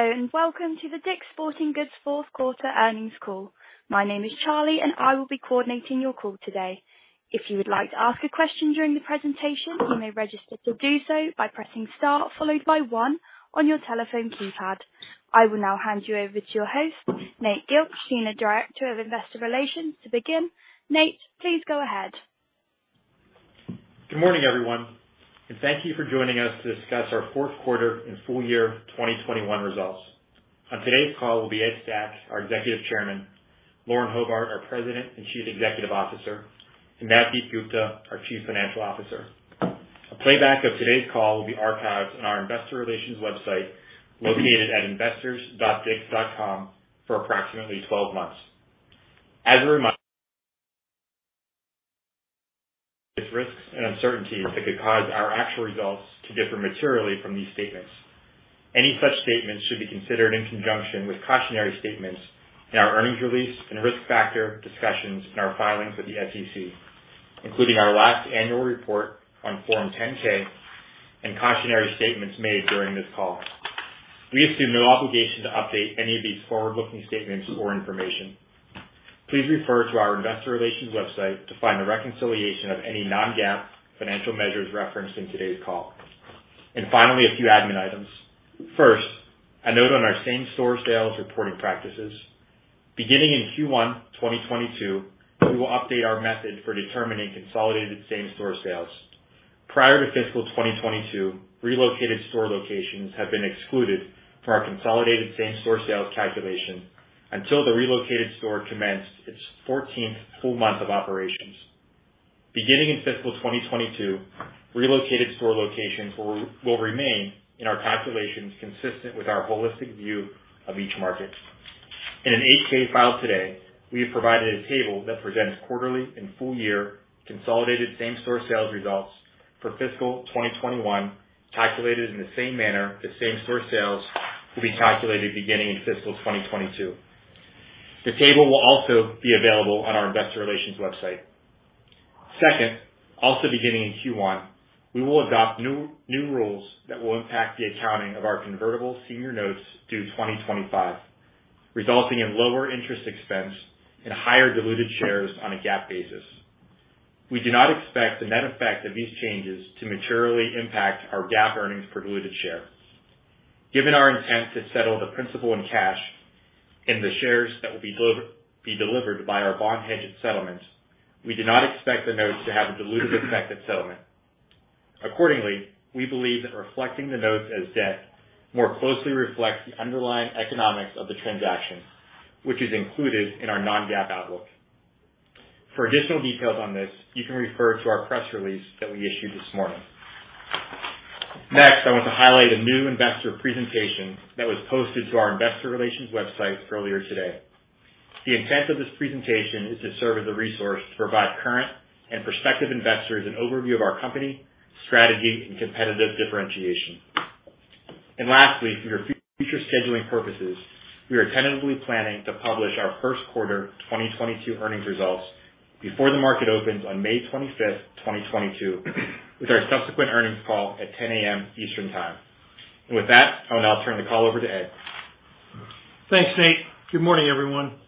Welcome to the DICK'S Sporting Goods fourth quarter earnings call. My name is Charlie, and I will be coordinating your call today. If you would like to ask a question during the presentation, you may register to do so by pressing star followed by one on your telephone keypad. I will now hand you over to your host, Nate Gilch, Senior Director of Investor Relations to begin. Nate, please go ahead. Good morning, everyone, and thank you for joining us to discuss our fourth quarter and full year 2021 results. On today's call will be Ed Stack, our Executive Chairman, Lauren Hobart, our President and Chief Executive Officer, and Navdeep Gupta, our Chief Financial Officer. A playback of today's call will be archived on our investor relations website, located at investors.dicks.com for approximately 12 months. Risks and uncertainties that could cause our actual results to differ materially from these statements. Any such statements should be considered in conjunction with cautionary statements in our earnings release and risk factor discussions in our filings with the SEC, including our last annual report on Form 10-K and cautionary statements made during this call. We assume no obligation to update any of these forward-looking statements or information. Please refer to our investor relations website to find a reconciliation of any non-GAAP financial measures referenced in today's call. Finally, a few admin items. First, a note on our same-store sales reporting practices. Beginning in Q1 2022, we will update our method for determining consolidated same-store sales. Prior to fiscal 2022, relocated store locations have been excluded from our consolidated same-store sales calculation until the relocated store commenced its fourteenth full month of operations. Beginning in fiscal 2022, relocated store locations will remain in our calculations consistent with our holistic view of each market. In an 8-K filing today, we have provided a table that presents quarterly and full year consolidated same-store sales results for fiscal 2021, calculated in the same manner that same-store sales will be calculated beginning in fiscal 2022. The table will also be available on our investor relations website. Second, also beginning in Q1, we will adopt new rules that will impact the accounting of our convertible senior notes due 2025, resulting in lower interest expense and higher diluted shares on a GAAP basis. We do not expect the net effect of these changes to materially impact our GAAP earnings per diluted share. Given our intent to settle the principal in cash and the shares that will be delivered by our bond hedge settlement, we do not expect the notes to have a dilutive effect at settlement. Accordingly, we believe that reflecting the notes as debt more closely reflects the underlying economics of the transaction, which is included in our non-GAAP outlook. For additional details on this, you can refer to our press release that we issued this morning. Next, I want to highlight a new investor presentation that was posted to our investor relations website earlier today. The intent of this presentation is to serve as a resource to provide current and prospective investors an overview of our company, strategy, and competitive differentiation. Lastly, for your future scheduling purposes, we are tentatively planning to publish our first quarter 2022 earnings results before the market opens on May 25, 2022, with our subsequent earnings call at 10 A.M. Eastern Time. With that, I'll now turn the call over to Ed. Thanks, Nate. Good morning, everyone.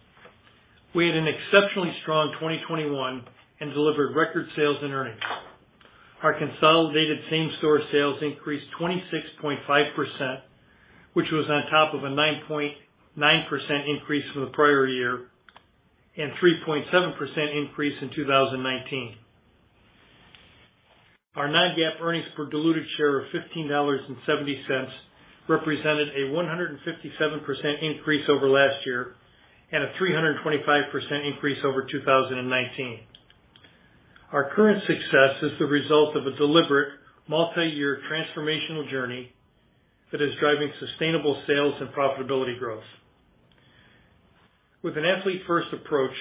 We had an exceptionally strong 2021 and delivered record sales and earnings. Our consolidated same-store sales increased 26.5%, which was on top of a 9.9% increase from the prior year and 3.7% increase in 2019. Our non-GAAP earnings per diluted share of $15.70 represented a 157% increase over last year and a 325% increase over 2019. Our current success is the result of a deliberate multi-year transformational journey that is driving sustainable sales and profitability growth. With an athlete-first approach,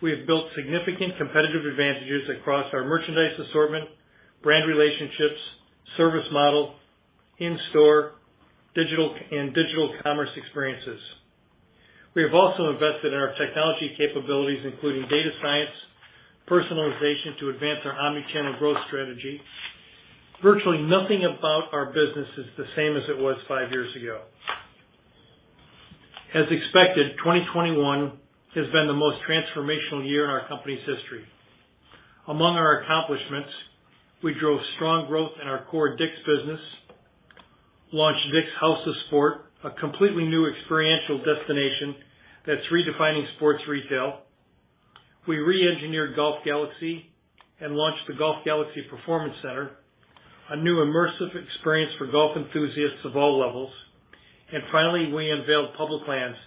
we have built significant competitive advantages across our merchandise assortment, brand relationships, service model, in-store digital and digital commerce experiences. We have also invested in our technology capabilities, including data science, personalization to advance our omnichannel growth strategy. Virtually nothing about our business is the same as it was 5 years ago. As expected, 2021 has been the most transformational year in our company's history. Among our accomplishments, we drove strong growth in our core DICK'S business, launched DICK'S House of Sport, a completely new experiential destination that's redefining sports retail. We reengineered Golf Galaxy and launched the Golf Galaxy Performance Center, a new immersive experience for golf enthusiasts of all levels. Finally, we unveiled Public Lands,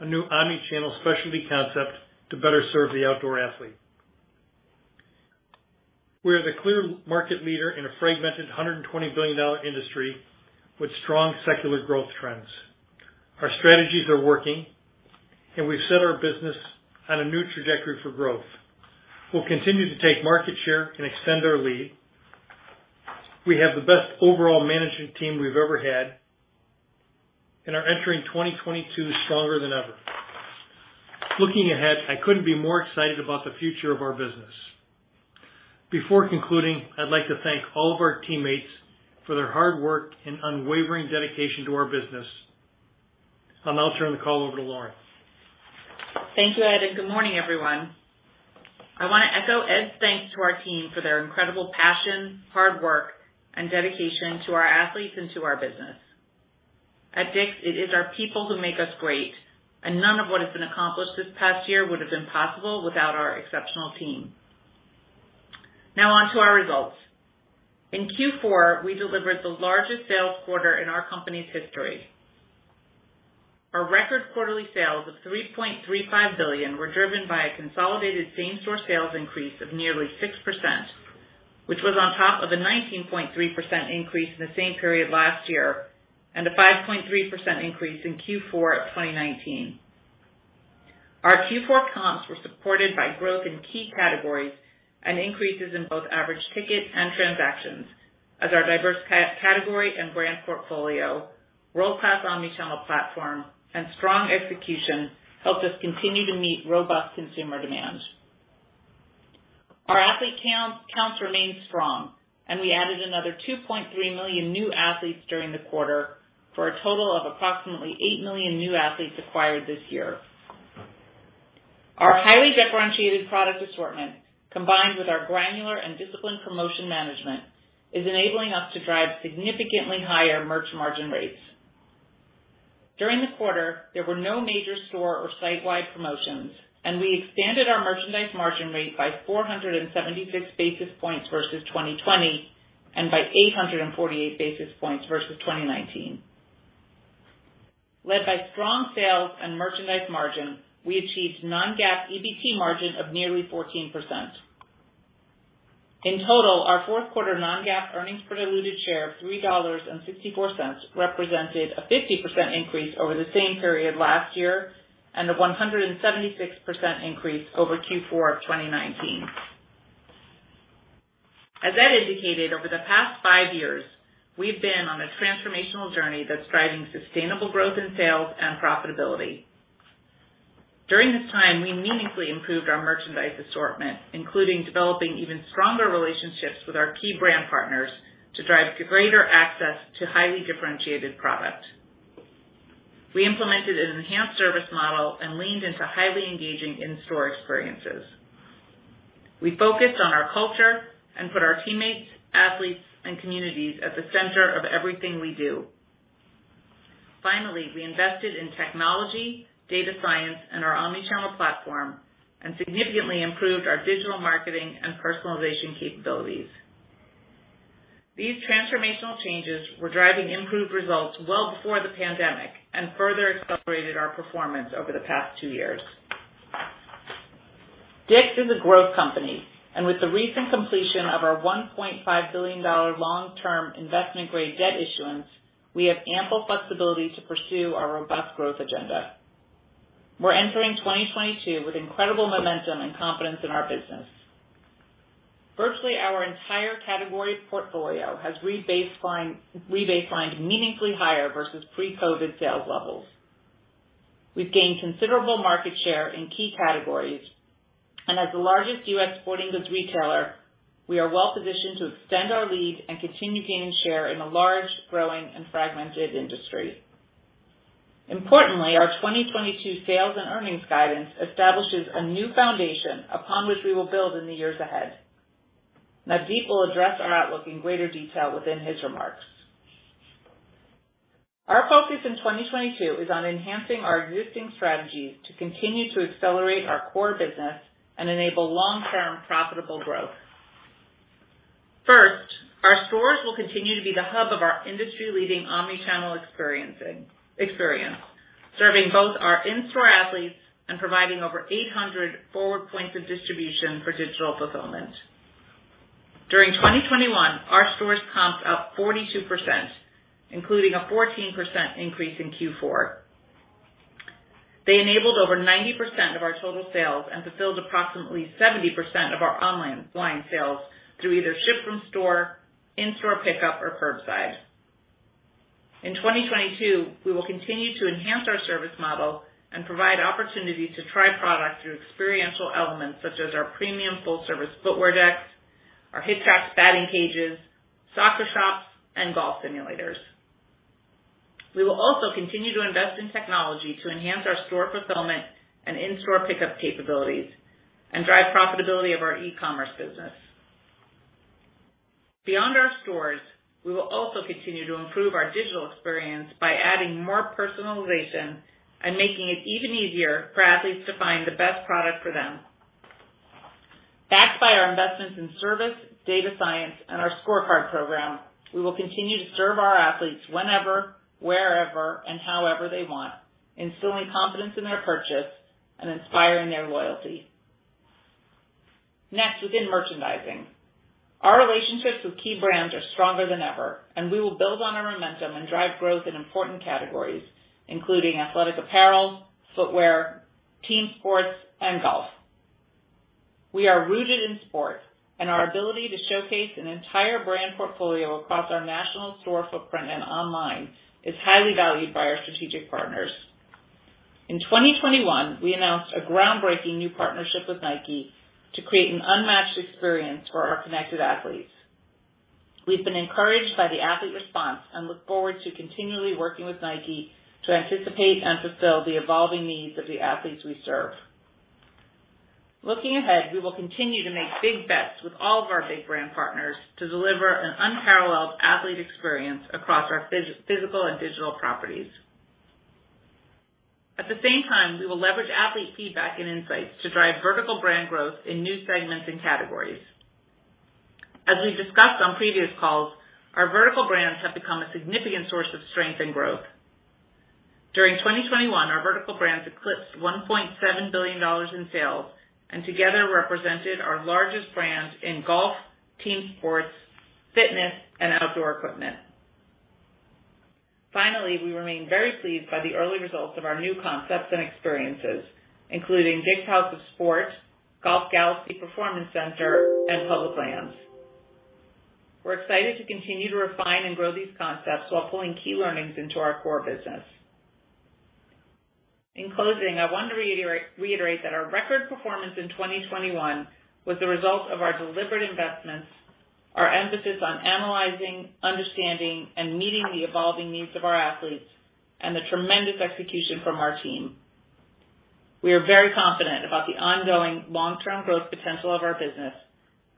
a new omni-channel specialty concept to better serve the outdoor athlete. We are the clear market leader in a fragmented $120 billion industry with strong secular growth trends. Our strategies are working, and we've set our business on a new trajectory for growth. We'll continue to take market share and extend our lead. We have the best overall management team we've ever had and are entering 2022 stronger than ever. Looking ahead, I couldn't be more excited about the future of our business. Before concluding, I'd like to thank all of our teammates for their hard work and unwavering dedication to our business. I'll now turn the call over to Lauren. Thank you, Ed, and good morning, everyone. I wanna echo Ed's thanks to our team for their incredible passion, hard work, and dedication to our athletes and to our business. At DICK'S, it is our people who make us great, and none of what has been accomplished this past year would have been possible without our exceptional team. Now on to our results. In Q4, we delivered the largest sales quarter in our company's history. Our record quarterly sales of $3.35 billion were driven by a consolidated same-store sales increase of nearly 6%, which was on top of a 19.3% increase in the same period last year, and a 5.3% increase in Q4 of 2019. Our Q4 comps were supported by growth in key categories and increases in both average ticket and transactions, as our diverse category and brand portfolio, world-class omni-channel platform, and strong execution helped us continue to meet robust consumer demand. Our athlete counts remain strong, and we added another 2.3 million new athletes during the quarter, for a total of approximately 8 million new athletes acquired this year. Our highly differentiated product assortment, combined with our granular and disciplined promotion management, is enabling us to drive significantly higher merch margin rates. During the quarter, there were no major store or site-wide promotions, and we expanded our merchandise margin rate by 476 basis points versus 2020, and by 848 basis points versus 2019. Led by strong sales and merchandise margin, we achieved non-GAAP EBT margin of nearly 14%. In total, our fourth quarter non-GAAP earnings per diluted share of $3.64 represented a 50% increase over the same period last year, and a 176% increase over Q4 of 2019. As Ed indicated, over the past 5 years, we've been on a transformational journey that's driving sustainable growth in sales and profitability. During this time, we meaningfully improved our merchandise assortment, including developing even stronger relationships with our key brand partners to drive greater access to highly differentiated product. We implemented an enhanced service model and leaned into highly engaging in-store experiences. We focused on our culture and put our teammates, athletes, and communities at the center of everything we do. Finally, we invested in technology, data science, and our omni-channel platform and significantly improved our digital marketing and personalization capabilities. These transformational changes were driving improved results well before the pandemic and further accelerated our performance over the past two years. DICK'S is a growth company, and with the recent completion of our $1.5 billion long-term investment-grade debt issuance, we have ample flexibility to pursue our robust growth agenda. We're entering 2022 with incredible momentum and confidence in our business. Virtually our entire category portfolio has rebaselined meaningfully higher versus pre-COVID sales levels. We've gained considerable market share in key categories, and as the largest U.S. sporting goods retailer, we are well-positioned to extend our lead and continue gaining share in a large, growing, and fragmented industry. Importantly, our 2022 sales and earnings guidance establishes a new foundation upon which we will build in the years ahead. Navdeep will address our outlook in greater detail within his remarks. Our focus in 2022 is on enhancing our existing strategies to continue to accelerate our core business and enable long-term profitable growth. First, our stores will continue to be the hub of our industry-leading omni-channel experience, serving both our in-store athletes and providing over 800 forward points of distribution for digital fulfillment. During 2021, our stores comped up 42%, including a 14% increase in Q4. They enabled over 90% of our total sales and fulfilled approximately 70% of our online sales through either ship from store, in-store pickup, or curbside. In 2022, we will continue to enhance our service model and provide opportunities to try product through experiential elements such as our premium full-service footwear decks, our HitTrax batting cages, soccer shops, and golf simulators. We will also continue to invest in technology to enhance our store fulfillment and in-store pickup capabilities and drive profitability of our e-commerce business. Beyond our stores, we will also continue to improve our digital experience by adding more personalization and making it even easier for athletes to find the best product for them. Backed by our investments in service, data science, and our ScoreCard program, we will continue to serve our athletes whenever, wherever, and however they want, instilling confidence in their purchase and inspiring their loyalty. Next, within merchandising, our relationships with key brands are stronger than ever, and we will build on our momentum and drive growth in important categories, including athletic apparel, footwear, team sports, and golf. We are rooted in sports, and our ability to showcase an entire brand portfolio across our national store footprint and online is highly valued by our strategic partners. In 2021, we announced a groundbreaking new partnership with Nike to create an unmatched experience for our connected athletes. We've been encouraged by the athlete response and look forward to continually working with Nike to anticipate and fulfill the evolving needs of the athletes we serve. Looking ahead, we will continue to make big bets with all of our big brand partners to deliver an unparalleled athlete experience across our physical and digital properties. At the same time, we will leverage athlete feedback and insights to drive vertical brand growth in new segments and categories. As we've discussed on previous calls, our vertical brands have become a significant source of strength and growth. During 2021, our vertical brands eclipsed $1.7 billion in sales, and together represented our largest brands in golf, team sports, fitness, and outdoor equipment. Finally, we remain very pleased by the early results of our new concepts and experiences, including DICK'S House of Sport, Golf Galaxy Performance Center, and Public Lands. We're excited to continue to refine and grow these concepts while pulling key learnings into our core business. In closing, I want to reiterate that our record performance in 2021 was the result of our deliberate investments, our emphasis on analyzing, understanding, and meeting the evolving needs of our athletes, and the tremendous execution from our team. We are very confident about the ongoing long-term growth potential of our business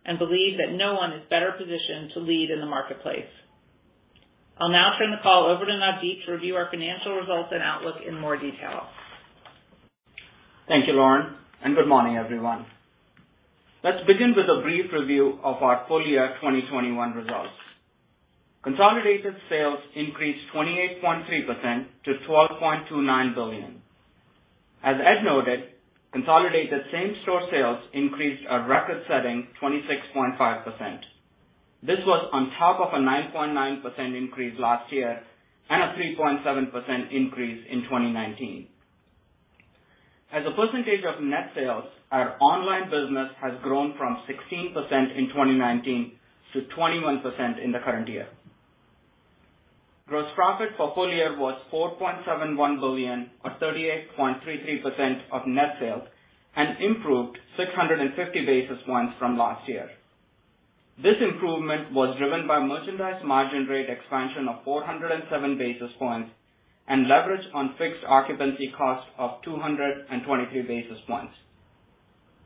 and believe that no one is better positioned to lead in the marketplace. I'll now turn the call over to Navdeep to review our financial results and outlook in more detail. Thank you, Lauren, and good morning, everyone. Let's begin with a brief review of our full year 2021 results. Consolidated sales increased 28.3% to $12.29 billion. As Ed noted, consolidated same-store sales increased a record-setting 26.5%. This was on top of a 9.9% increase last year and a 3.7% increase in 2019. As a percentage of net sales, our online business has grown from 16% in 2019 to 21% in the current year. Gross profit for full year was $4.71 billion or 38.33% of net sales and improved 650 basis points from last year. This improvement was driven by merchandise margin rate expansion of 407 basis points and leverage on fixed occupancy costs of 223 basis points.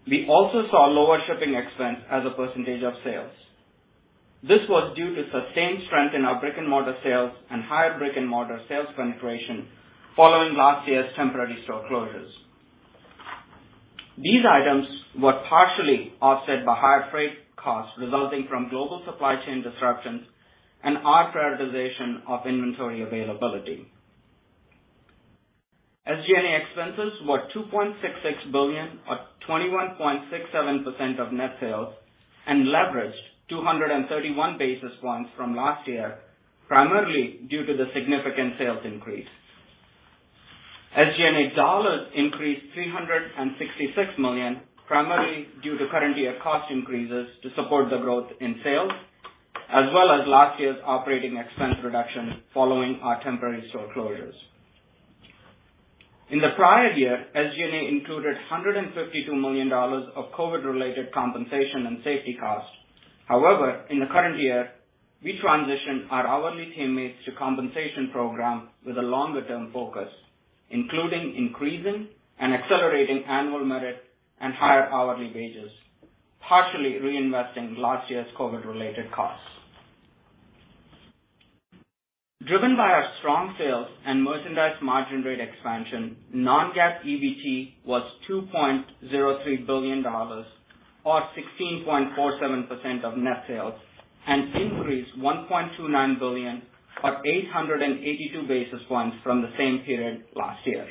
We also saw lower shipping expense as a percentage of sales. This was due to sustained strength in our brick-and-mortar sales and higher brick-and-mortar sales penetration following last year's temporary store closures. These items were partially offset by higher freight costs resulting from global supply chain disruptions and our prioritization of inventory availability. SG&A expenses were $2.66 billion or 21.67% of net sales and leveraged 231 basis points from last year, primarily due to the significant sales increase. SG&A dollars increased $366 million, primarily due to current year cost increases to support the growth in sales, as well as last year's operating expense reduction following our temporary store closures. In the prior year, SG&A included $152 million of COVID-related compensation and safety costs. However, in the current year, we transitioned our hourly teammates to a compensation program with a longer-term focus, including increasing and accelerating annual merit and higher hourly wages, partially reinvesting last year's COVID-related costs. Driven by our strong sales and merchandise margin rate expansion, non-GAAP EBT was $2.03 billion or 16.47% of net sales and increased $1.29 billion or 882 basis points from the same period last year.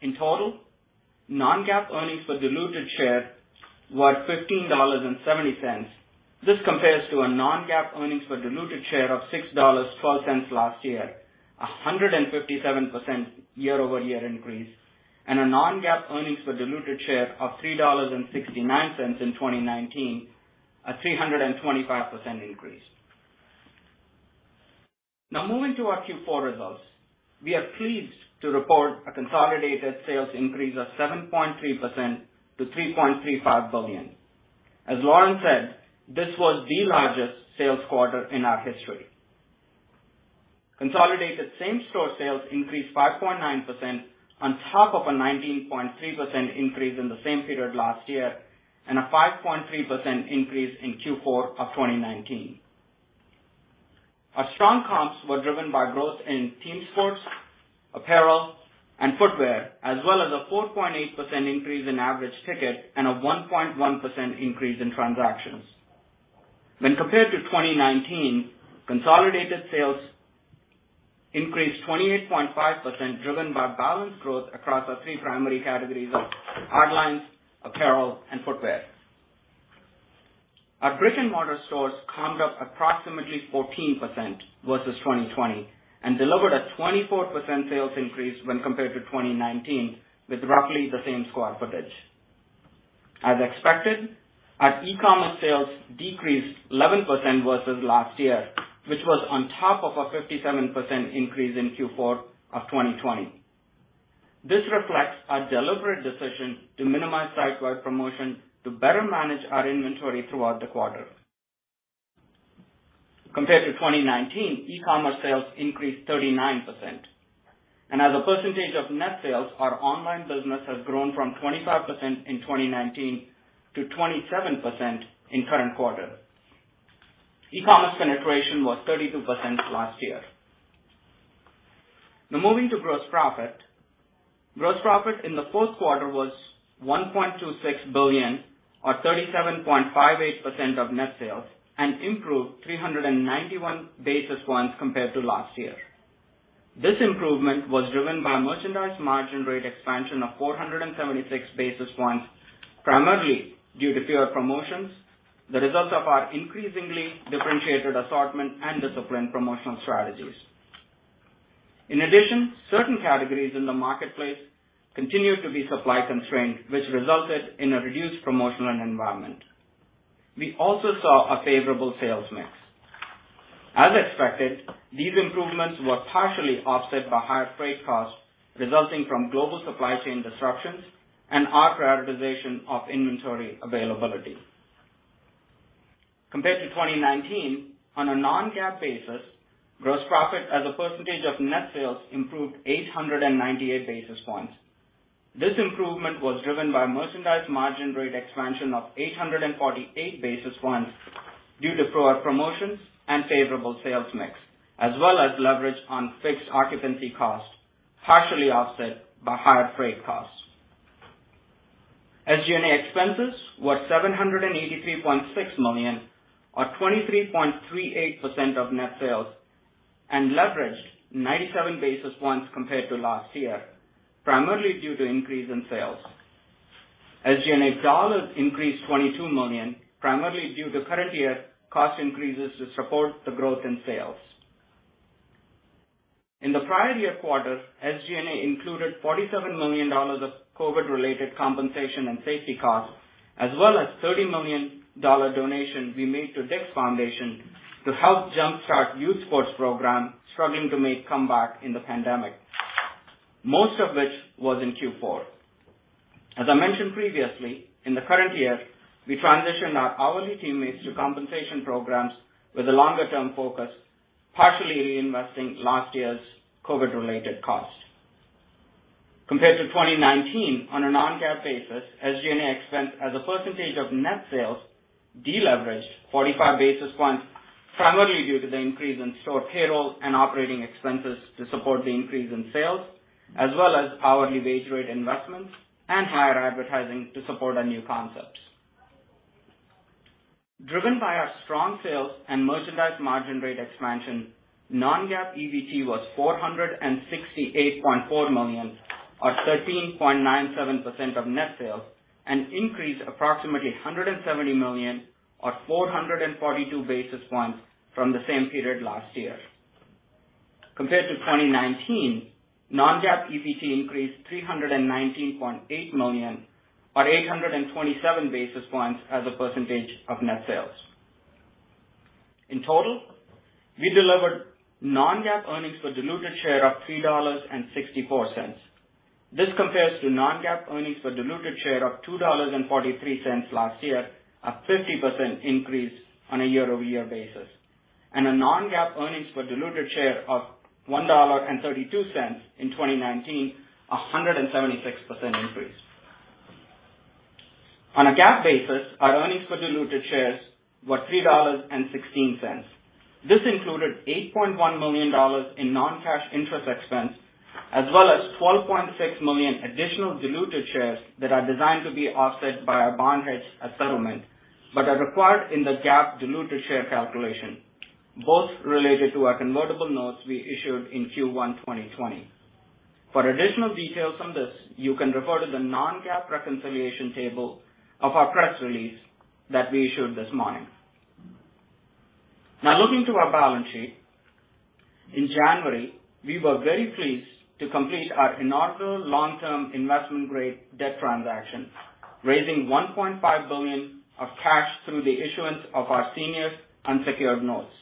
In total, non-GAAP earnings per diluted share were $15.70. This compares to a non-GAAP earnings per diluted share of $6.12 last year, a 157% year-over-year increase, and a non-GAAP earnings per diluted share of $3.69 in 2019, a 325% increase. Now moving to our Q4 results. We are pleased to report a consolidated sales increase of 7.3% to $3.35 billion. As Lauren said, this was the largest sales quarter in our history. Consolidated same-store sales increased 5.9% on top of a 19.3% increase in the same period last year, and a 5.3% increase in Q4 of 2019. Our strong comps were driven by growth in team sports, apparel, and footwear, as well as a 4.8% increase in average ticket and a 1.1% increase in transactions. When compared to 2019, consolidated sales increased 28.5%, driven by balanced growth across our three primary categories of hard lines, apparel, and footwear. Our brick-and-mortar stores comped up approximately 14% versus 2020 and delivered a 24% sales increase when compared to 2019 with roughly the same square footage. As expected, our e-commerce sales decreased 11% versus last year, which was on top of a 57% increase in Q4 of 2020. This reflects our deliberate decision to minimize site-wide promotion to better manage our inventory throughout the quarter. Compared to 2019, e-commerce sales increased 39%. As a percentage of net sales, our online business has grown from 25% in 2019 to 27% in current quarter. e-commerce penetration was 32% last year. Now moving to gross profit. Gross profit in the first quarter was $1.26 billion or 37.58% of net sales and improved 391 basis points compared to last year. This improvement was driven by merchandise margin rate expansion of 476 basis points, primarily due to fewer promotions, the results of our increasingly differentiated assortment and disciplined promotional strategies. In addition, certain categories in the marketplace continued to be supply constrained, which resulted in a reduced promotional environment. We also saw a favorable sales mix. As expected, these improvements were partially offset by higher freight costs resulting from global supply chain disruptions and our prioritization of inventory availability. Compared to 2019, on a non-GAAP basis, gross profit as a percentage of net sales improved 898 basis points. This improvement was driven by merchandise margin rate expansion of 848 basis points due to lower promotions and favorable sales mix, as well as leverage on fixed occupancy costs, partially offset by higher freight costs. SG&A expenses were $783.6 million or 23.38% of net sales and leveraged 97 basis points compared to last year, primarily due to increase in sales. SG&A dollars increased $22 million, primarily due to current year cost increases to support the growth in sales. In the prior year quarter, SG&A included $47 million of COVID-related compensation and safety costs, as well as $30 million-dollar donation we made to DICK'S Foundation to help jumpstart youth sports program struggling to make comeback in the pandemic, most of which was in Q4. As I mentioned previously, in the current year, we transitioned our hourly teammates to compensation programs with a longer-term focus, partially reinvesting last year's COVID-related costs. Compared to 2019, on a non-GAAP basis, SG&A expense as a percentage of net sales deleveraged 45 basis points, primarily due to the increase in store payroll and operating expenses to support the increase in sales, as well as hourly wage rate investments and higher advertising to support our new concepts. Driven by our strong sales and merchandise margin rate expansion, non-GAAP EBT was $468.4 million or 13.97% of net sales, an increase of approximately $170 million or 442 basis points from the same period last year. Compared to 2019, non-GAAP EBT increased $319.8 million or 827 basis points as a percentage of net sales. In total, we delivered non-GAAP earnings per diluted share of $3.64. This compares to non-GAAP earnings per diluted share of $2.43 last year, a 50% increase on a year-over-year basis, and a non-GAAP earnings per diluted share of $1.32 in 2019, a 176% increase. On a GAAP basis, our earnings per diluted shares were $3.16. This included $8.1 million in non-cash interest expense, as well as 12.6 million additional diluted shares that are designed to be offset by our bond hedge as settlement, but are required in the GAAP diluted share calculation, both related to our convertible notes we issued in Q1 2020. For additional details on this, you can refer to the non-GAAP reconciliation table of our press release that we issued this morning. Now looking to our balance sheet. In January, we were very pleased to complete our inaugural long-term investment grade debt transaction, raising $1.5 billion of cash through the issuance of our senior unsecured notes.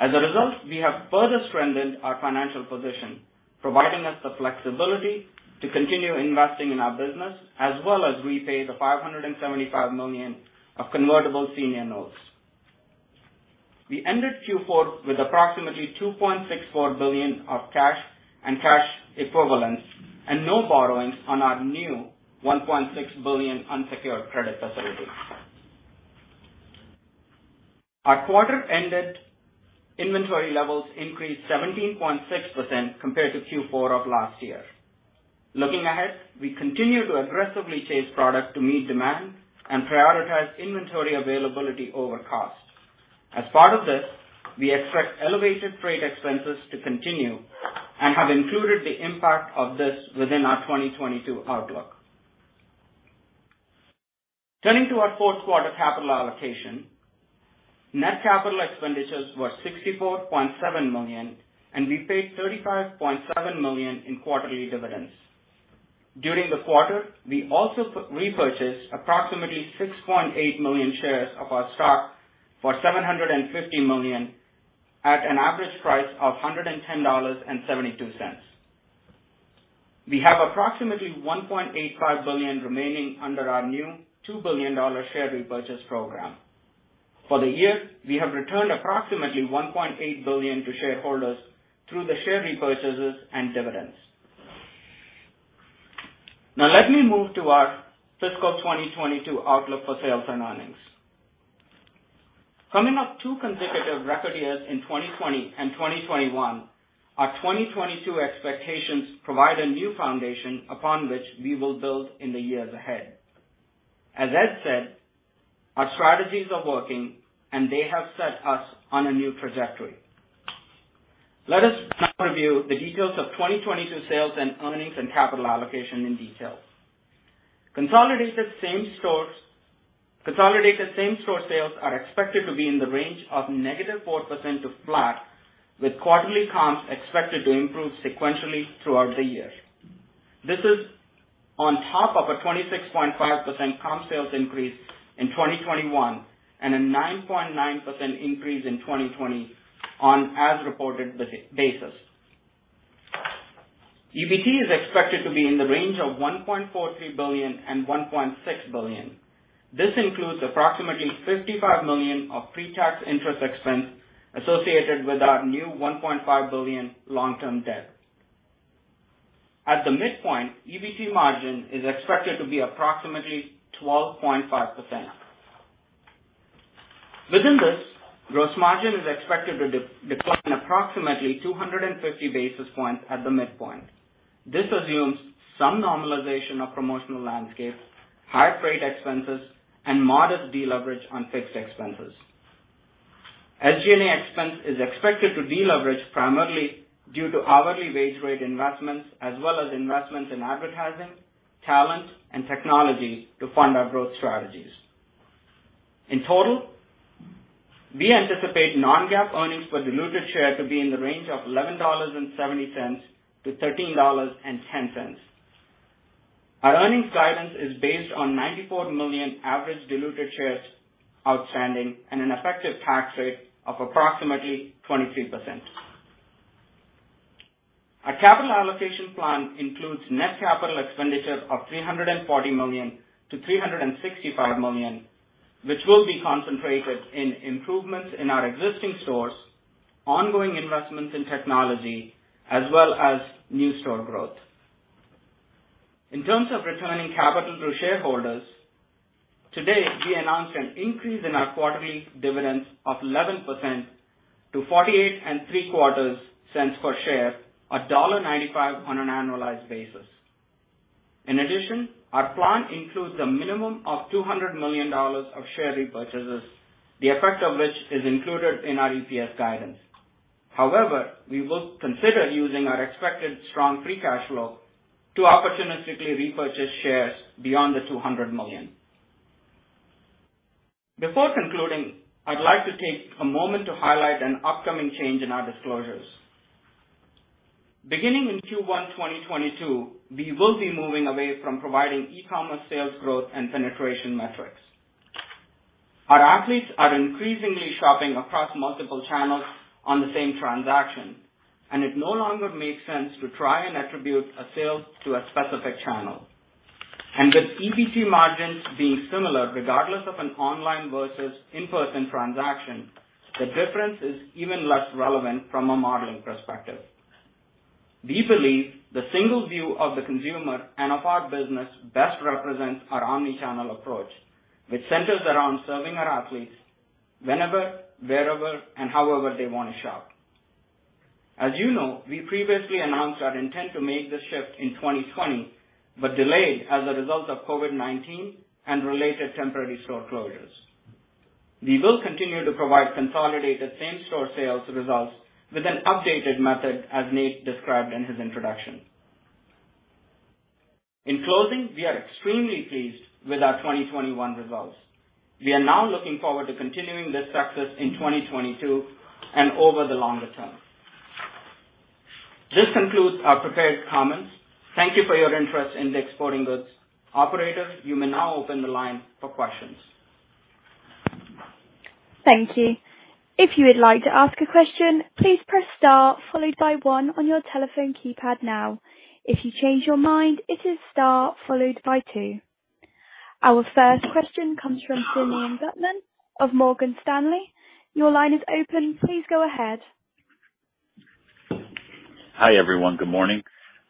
As a result, we have further strengthened our financial position, providing us the flexibility to continue investing in our business as well as repay the $575 million of convertible senior notes. We ended Q4 with approximately $2.64 billion of cash and cash equivalents and no borrowings on our new $1.6 billion unsecured credit facility. Our quarter ended inventory levels increased 17.6% compared to Q4 of last year. Looking ahead, we continue to aggressively chase product to meet demand and prioritize inventory availability over cost. As part of this, we expect elevated freight expenses to continue and have included the impact of this within our 2022 outlook. Turning to our fourth quarter capital allocation. Net capital expenditures were $64.7 million, and we paid $35.7 million in quarterly dividends. During the quarter, we also repurchased approximately 6.8 million shares of our stock for $750 million at an average price of $110.72. We have approximately $1.85 billion remaining under our new $2 billion share repurchase program. For the year, we have returned approximately $1.8 billion to shareholders through the share repurchases and dividends. Now let me move to our fiscal 2022 outlook for sales and earnings. Coming off two consecutive record years in 2020 and 2021, our 2022 expectations provide a new foundation upon which we will build in the years ahead. As Ed said, our strategies are working, and they have set us on a new trajectory. Let us now review the details of 2022 sales and earnings and capital allocation in detail. Consolidated same stores... Consolidated same store sales are expected to be in the range of -4% to flat, with quarterly comps expected to improve sequentially throughout the year. This is on top of a 26.5% comp sales increase in 2021 and a 9.9% increase in 2020 on as reported basis. EBT is expected to be in the range of $1.43 billion-$1.6 billion. This includes approximately $55 million of pre-tax interest expense associated with our new $1.5 billion long-term debt. At the midpoint, EBT margin is expected to be approximately 12.5%. Within this, gross margin is expected to decline approximately 250 basis points at the midpoint. This assumes some normalization of promotional landscape, higher freight expenses, and modest deleverage on fixed expenses. SG&A expense is expected to deleverage primarily due to hourly wage rate investments as well as investments in advertising, talent, and technology to fund our growth strategies. In total, we anticipate non-GAAP earnings per diluted share to be in the range of $11.70-$13.10. Our earnings guidance is based on 94 million average diluted shares outstanding and an effective tax rate of approximately 23%. Our capital allocation plan includes net capital expenditures of $340 million-$365 million, which will be concentrated in improvements in our existing stores, ongoing investments in technology, as well as new store growth. In terms of returning capital to shareholders, today we announced an increase in our quarterly dividends of 11% to 48.75 cents per share, $1.95 on an annualized basis. In addition, our plan includes a minimum of $200 million of share repurchases, the effect of which is included in our EPS guidance. However, we will consider using our expected strong free cash flow to opportunistically repurchase shares beyond the $200 million. Before concluding, I'd like to take a moment to highlight an upcoming change in our disclosures. Beginning in Q1 2022, we will be moving away from providing e-commerce sales growth and penetration metrics. Our athletes are increasingly shopping across multiple channels on the same transaction, and it no longer makes sense to try and attribute a sale to a specific channel. With EBT margins being similar regardless of an online versus in-person transaction, the difference is even less relevant from a modeling perspective. We believe the single view of the consumer and of our business best represents our omni-channel approach, which centers around serving our athletes whenever, wherever, and however they wanna shop. As you know, we previously announced our intent to make this shift in 2020, but delayed as a result of COVID-19 and related temporary store closures. We will continue to provide consolidated same-store sales results with an updated method, as Nate described in his introduction. In closing, we are extremely pleased with our 2021 results. We are now looking forward to continuing this success in 2022 and over the longer term. This concludes our prepared comments. Thank you for your interest in DICK'S Sporting Goods. Operator, you may now open the line for questions. Thank you. If you would like to ask a question, please press star followed by one on your telephone keypad now. If you change your mind, it is star followed by two. Our first question comes from Simeon Gutman of Morgan Stanley. Your line is open. Please go ahead. Hi, everyone. Good morning.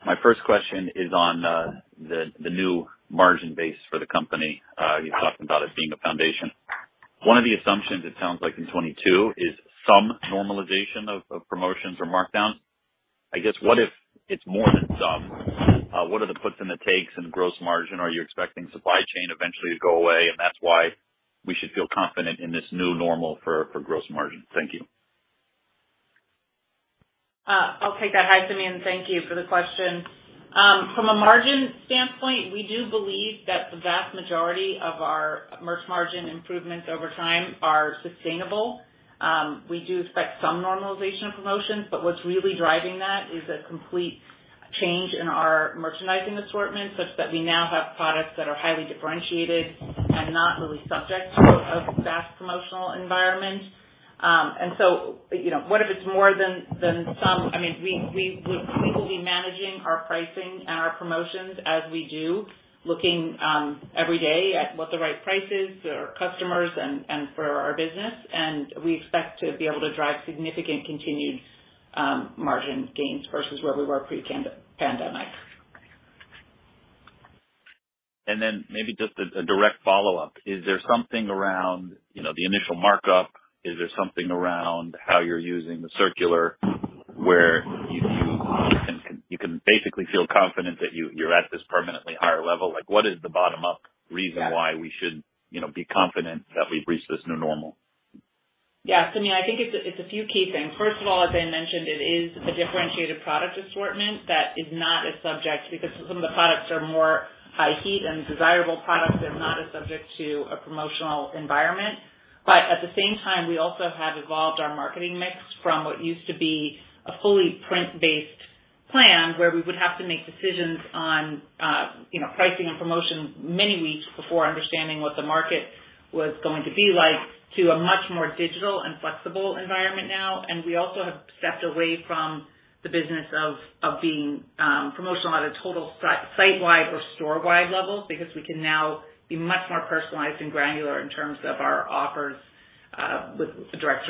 My first question is on the new margin base for the company. You've talked about it being a foundation. One of the assumptions, it sounds like in 2022, is some normalization of promotions or markdowns. I guess what if it's more than some? What are the puts and the takes in gross margin? Are you expecting supply chain eventually to go away, and that's why we should feel confident in this new normal for gross margin? Thank you. I'll take that. Hi, Simeon. Thank you for the question. From a margin standpoint, we do believe that the vast majority of our merch margin improvements over time are sustainable. We do expect some normalization of promotions, but what's really driving that is a complete change in our merchandising assortment, such that we now have products that are highly differentiated and not really subject to a vast promotional environment. You know, what if it's more than some? I mean, we will be managing our pricing and our promotions as we do, looking every day at what the right price is for our customers and for our business. We expect to be able to drive significant continued margin gains versus where we were pre-pandemic. Then maybe just a direct follow-up. Is there something around, you know, the initial markup? Is there something around how you're using the circular, where you can basically feel confident that you're at this permanently higher level? Like, what is the bottom-up reason why we should, you know, be confident that we've reached this new normal? Yeah. Simeon, I think it's a few key things. First of all, as I mentioned, it is a differentiated product assortment that is not as subject. Because some of the products are more high heat and desirable products, they're not as subject to a promotional environment. But at the same time, we also have evolved our marketing mix from what used to be a fully print-based plan, where we would have to make decisions on pricing and promotion many weeks before understanding what the market was going to be like, to a much more digital and flexible environment now. We also have stepped away from the business of being promotional at a total sitewide or storewide level because we can now be much more personalized and granular in terms of our offers with the direct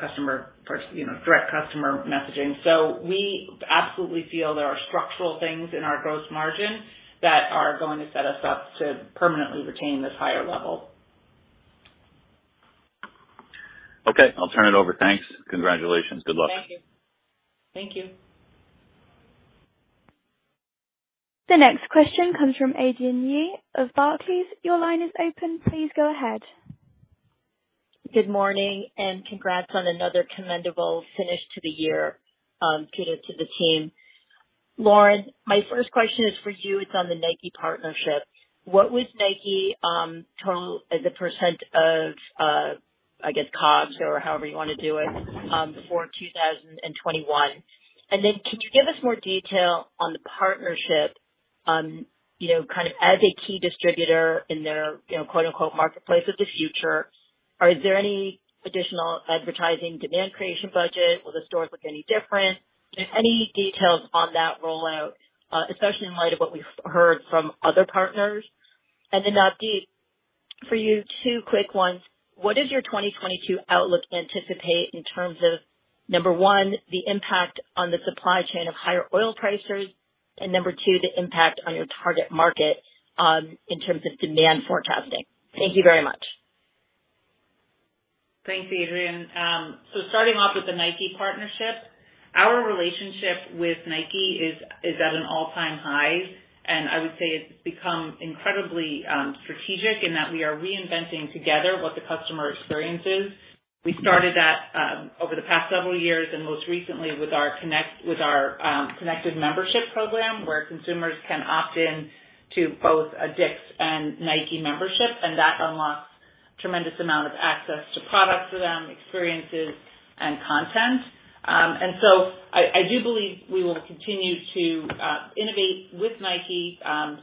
customer pers... You know, direct customer messaging. We absolutely feel there are structural things in our gross margin that are going to set us up to permanently retain this higher level. Okay. I'll turn it over. Thanks. Congratulations. Good luck. Thank you. Thank you. The next question comes from Adrienne Yih of Barclays. Your line is open. Please go ahead. Good morning, and congrats on another commendable finish to the year, kudos to the team. Lauren, my first question is for you. It's on the Nike partnership. What was Nike total as a % of, I guess COGS or however you wanna do it, for 2021? Could you give us more detail on the partnership, you know, kind of as a key distributor in their, you know, quote-unquote, marketplace of the future? Or is there any additional advertising demand creation budget? Will the stores look any different? Just any details on that rollout, especially in light of what we've heard from other partners. Navdeep, for you, two quick ones. What does your 2022 outlook anticipate in terms of, number 1, the impact on the supply chain of higher oil prices and, number 2, the impact on your target market in terms of demand forecasting? Thank you very much. Thanks, Adrienne. So starting off with the Nike partnership, our relationship with Nike is at an all-time high, and I would say it's become incredibly strategic in that we are reinventing together what the customer experience is. We started that over the past several years and most recently with our connected membership program, where consumers can opt in to both a DICK'S and Nike membership, and that unlocks tremendous amount of access to products for them, experiences, and content. I do believe we will continue to innovate with Nike,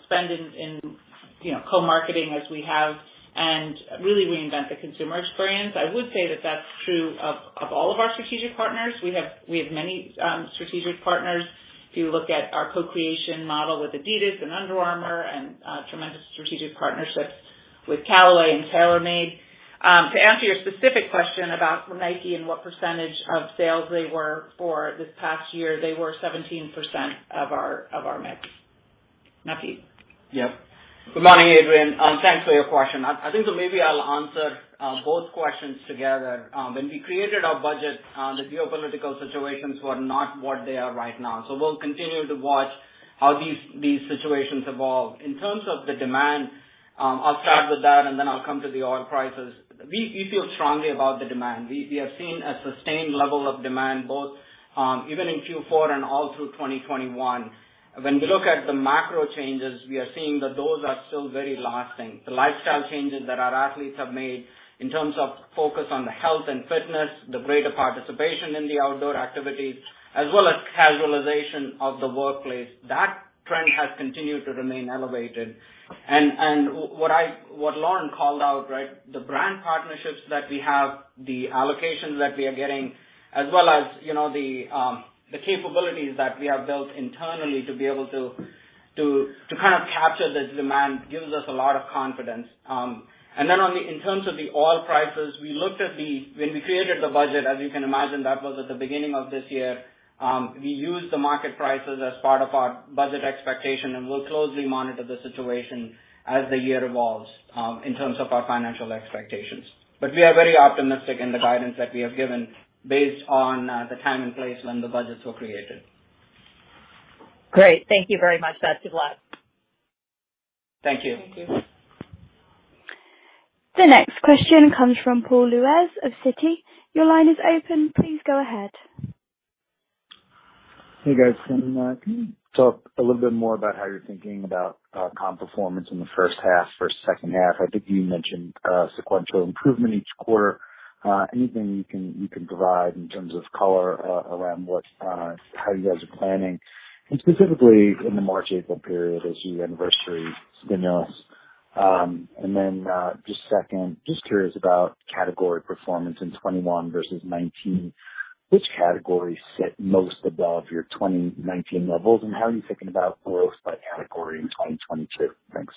spend in you know, co-marketing as we have and really reinvent the consumer experience. I would say that that's true of all of our strategic partners. We have many strategic partners. If you look at our co-creation model with adidas and Under Armour and tremendous strategic partnerships with Callaway and TaylorMade. To answer your specific question about Nike and what percentage of sales they were for this past year, they were 17% of our mix. Now, Navdeep. Yep. Good morning, Adrienne. Thanks for your question. I think that maybe I'll answer both questions together. When we created our budget, the geopolitical situations were not what they are right now. We'll continue to watch how these situations evolve. In terms of the demand, I'll start with that, and then I'll come to the oil prices. We feel strongly about the demand. We have seen a sustained level of demand both even in Q4 and all through 2021. When we look at the macro changes, we are seeing that those are still very lasting. The lifestyle changes that our athletes have made in terms of focus on the health and fitness, the greater participation in the outdoor activities, as well as casualization of the workplace, that trend has continued to remain elevated. What I... What Lauren called out, right? The brand partnerships that we have, the allocations that we are getting, as well as, you know, the capabilities that we have built internally to be able to kind of capture this demand gives us a lot of confidence. And then, in terms of the oil prices, we looked at the when we created the budget, as you can imagine, that was at the beginning of this year. We used the market prices as part of our budget expectation, and we'll closely monitor the situation as the year evolves in terms of our financial expectations. We are very optimistic in the guidance that we have given based on the time and place when the budgets were created. Great. Thank you very much. Best of luck. Thank you. The next question comes from Paul Lejuez of Citi. Your line is open. Please go ahead. Hey, guys. Can you talk a little bit more about how you're thinking about comp performance in the first half versus second half? I think you mentioned sequential improvement each quarter. Anything you can provide in terms of color around how you guys are planning and specifically in the March, April period as you anniversary stimulus. Just second, just curious about category performance in 2021 versus 2019. Which category sit most above your 2019 levels and how are you thinking about growth by category in 2022? Thanks.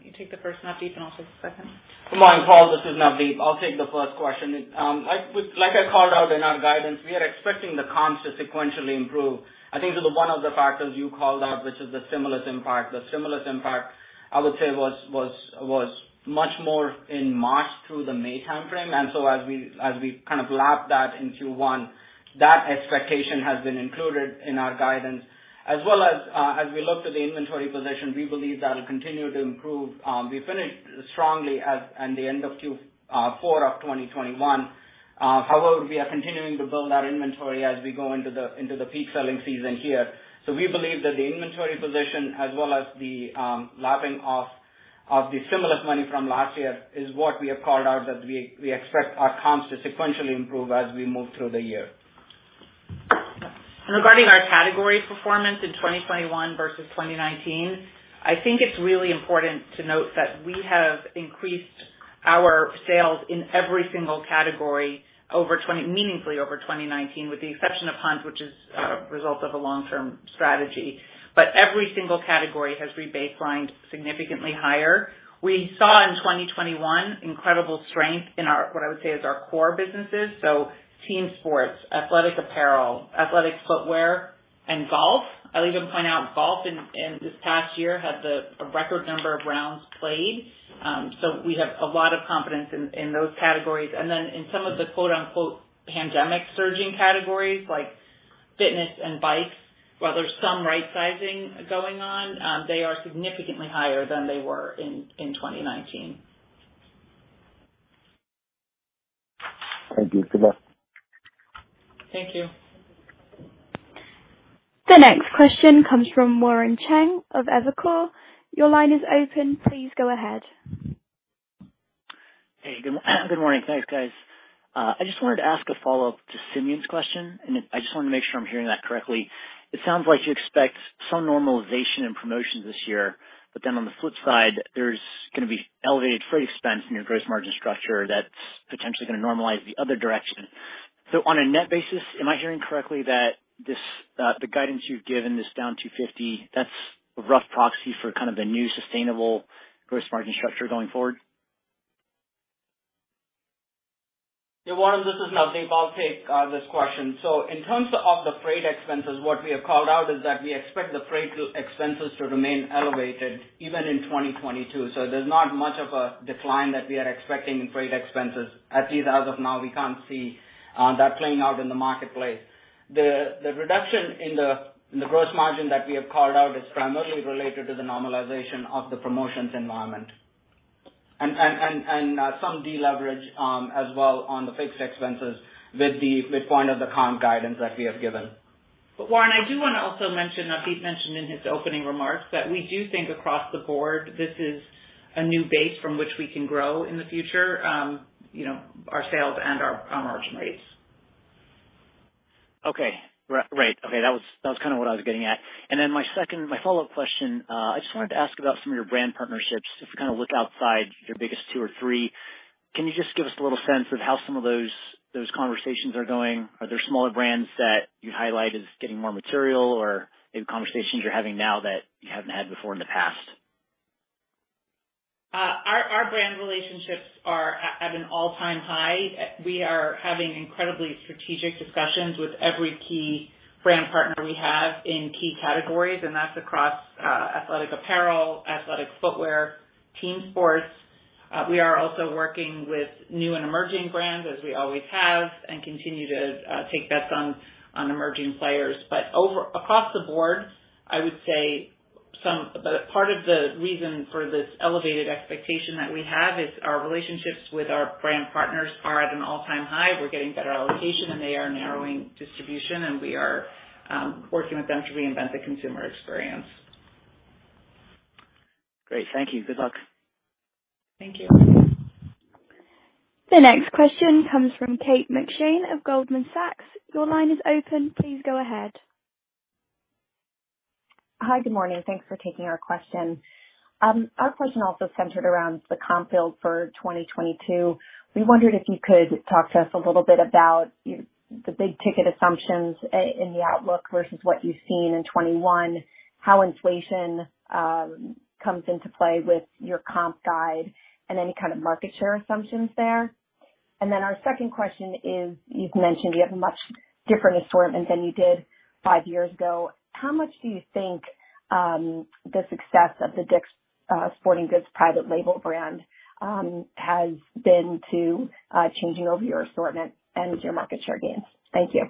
You take the first, Navdeep, and I'll take the second. Come on, Paul, this is Navdeep. I'll take the first question. Like I called out in our guidance, we are expecting the comps to sequentially improve. I think this is one of the factors you called out, which is the stimulus impact. The stimulus impact, I would say was much more in March through the May timeframe. As we kind of lap that in Q1, that expectation has been included in our guidance as well as we look to the inventory position, we believe that'll continue to improve. We finished strongly at the end of Q4 of 2021. However, we are continuing to build our inventory as we go into the peak selling season here. We believe that the inventory position as well as the lapping of the stimulus money from last year is what we have called out that we expect our comps to sequentially improve as we move through the year. Regarding our category performance in 2021 versus 2019, I think it's really important to note that we have increased our sales in every single category meaningfully over 2019 with the exception of hunt, which is result of a long-term strategy. Every single category has rebaselined significantly higher. We saw in 2021 incredible strength in our, what I would say is our core businesses. Team sports, athletic apparel, athletic footwear, and golf. I'll even point out golf in this past year had a record number of rounds played. We have a lot of confidence in those categories. Then in some of the quote-unquote pandemic surging categories like fitness and bikes, while there's some right sizing going on, they are significantly higher than they were in 2019. Thank you. Good luck. Thank you. The next question comes from Warren Cheng of Evercore. Your line is open. Please go ahead. Hey, good morning. Thanks, guys. I just wanted to ask a follow-up to Simeon's question, and I just wanna make sure I'm hearing that correctly. It sounds like you expect some normalization in promotions this year, but then on the flip side, there's gonna be elevated freight expense in your gross margin structure that's potentially gonna normalize the other direction. On a net basis, am I hearing correctly that this, the guidance you've given, this down 250, that's a rough proxy for kind of the new sustainable gross margin structure going forward? Yeah, Warren, this is Navdeep. I'll take this question. In terms of the freight expenses, what we have called out is that we expect the freight expenses to remain elevated even in 2022. There's not much of a decline that we are expecting in freight expenses. At least as of now, we can't see that playing out in the marketplace. The reduction in the gross margin that we have called out is primarily related to the normalization of the promotions environment and some deleverage as well on the fixed expenses with the midpoint of the comp guidance that we have given. Warren, I do wanna also mention, Navdeep mentioned in his opening remarks that we do think across the board, this is a new base from which we can grow in the future, our sales and our gross margin rates. Okay. That was kinda what I was getting at. Then my second, my follow-up question, I just wanted to ask about some of your brand partnerships. If you kinda look outside your biggest two or three, can you just give us a little sense of how some of those conversations are going? Are there smaller brands that you'd highlight as getting more material or conversations you're having now that you haven't had before in the past? Our brand relationships are at an all-time high. We are having incredibly strategic discussions with every key brand partner we have in key categories, and that's across athletic apparel, athletic footwear, team sports. We are also working with new and emerging brands as we always have and continue to take bets on emerging players. Across the board, I would say part of the reason for this elevated expectation that we have is our relationships with our brand partners are at an all-time high. We're getting better allocation, and they are narrowing distribution, and we are working with them to reinvent the consumer experience. Great. Thank you. Good luck. Thank you. The next question comes from Kate McShane of Goldman Sachs. Your line is open. Please go ahead. Hi. Good morning. Thanks for taking our question. Our question also centered around the comps for 2022. We wondered if you could talk to us a little bit about the big ticket assumptions in the outlook versus what you've seen in 2021, how inflation comes into play with your comps guide and any kind of market share assumptions there. Our second question is, you've mentioned you have much different assortment than you did five years ago. How much do you think the success of the DICK'S Sporting Goods private label brand has been to changing over your assortment and your market share gains? Thank you.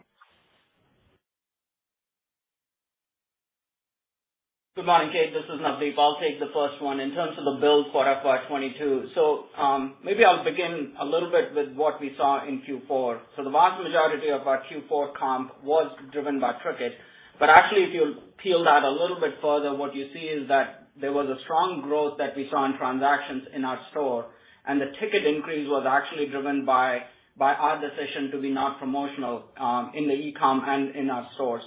Good morning, Kate. This is Navdeep. I'll take the first one. In terms of the build for FY 2022. Maybe I'll begin a little bit with what we saw in Q4. The vast majority of our Q4 comp was driven by ticket. Actually, if you peel that a little bit further, what you see is that there was a strong growth that we saw in transactions in our store, and the ticket increase was actually driven by our decision to be not promotional in the e-com and in our stores.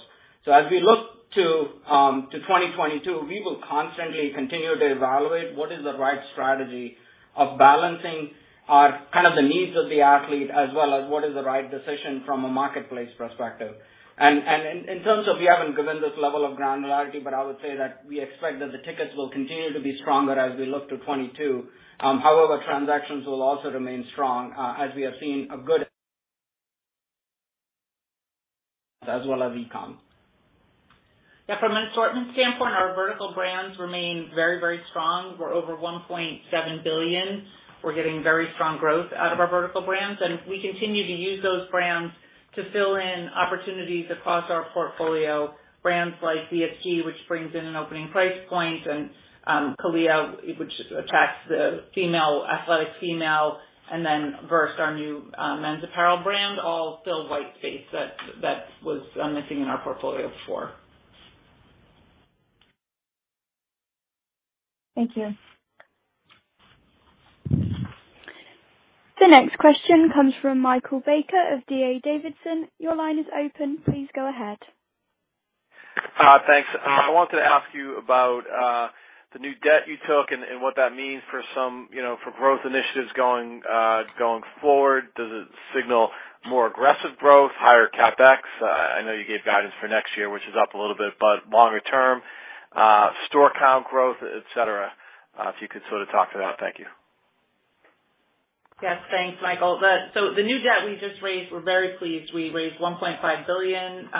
As we look to 2022, we will constantly continue to evaluate what is the right strategy of balancing our kind of the needs of the athlete as well as what is the right decision from a marketplace perspective. In terms of, we haven't given this level of granularity, but I would say that we expect that the tickets will continue to be stronger as we look to 2022. However, transactions will also remain strong, as we are seeing a good as well as e-com. Yeah, from an assortment standpoint, our vertical brands remain very, very strong. We're over $1.7 billion. We're getting very strong growth out of our vertical brands, and we continue to use those brands to fill in opportunities across our portfolio. Brands like DSG, which brings in an opening price point, and CALIA, which attracts the female, athletic female, and then VRST, our new men's apparel brand, all fill white space that was missing in our portfolio before. Thank you. The next question comes from Michael Baker of D.A. Davidson. Your line is open. Please go ahead. Thanks. I wanted to ask you about the new debt you took and what that means for some, you know, for growth initiatives going forward. Does it signal more aggressive growth, higher CapEx? I know you gave guidance for next year, which is up a little bit, but longer term, store count growth, et cetera, if you could sort of talk to that. Thank you. Yes. Thanks, Michael. The new debt we just raised, we're very pleased. We raised $1.5 billion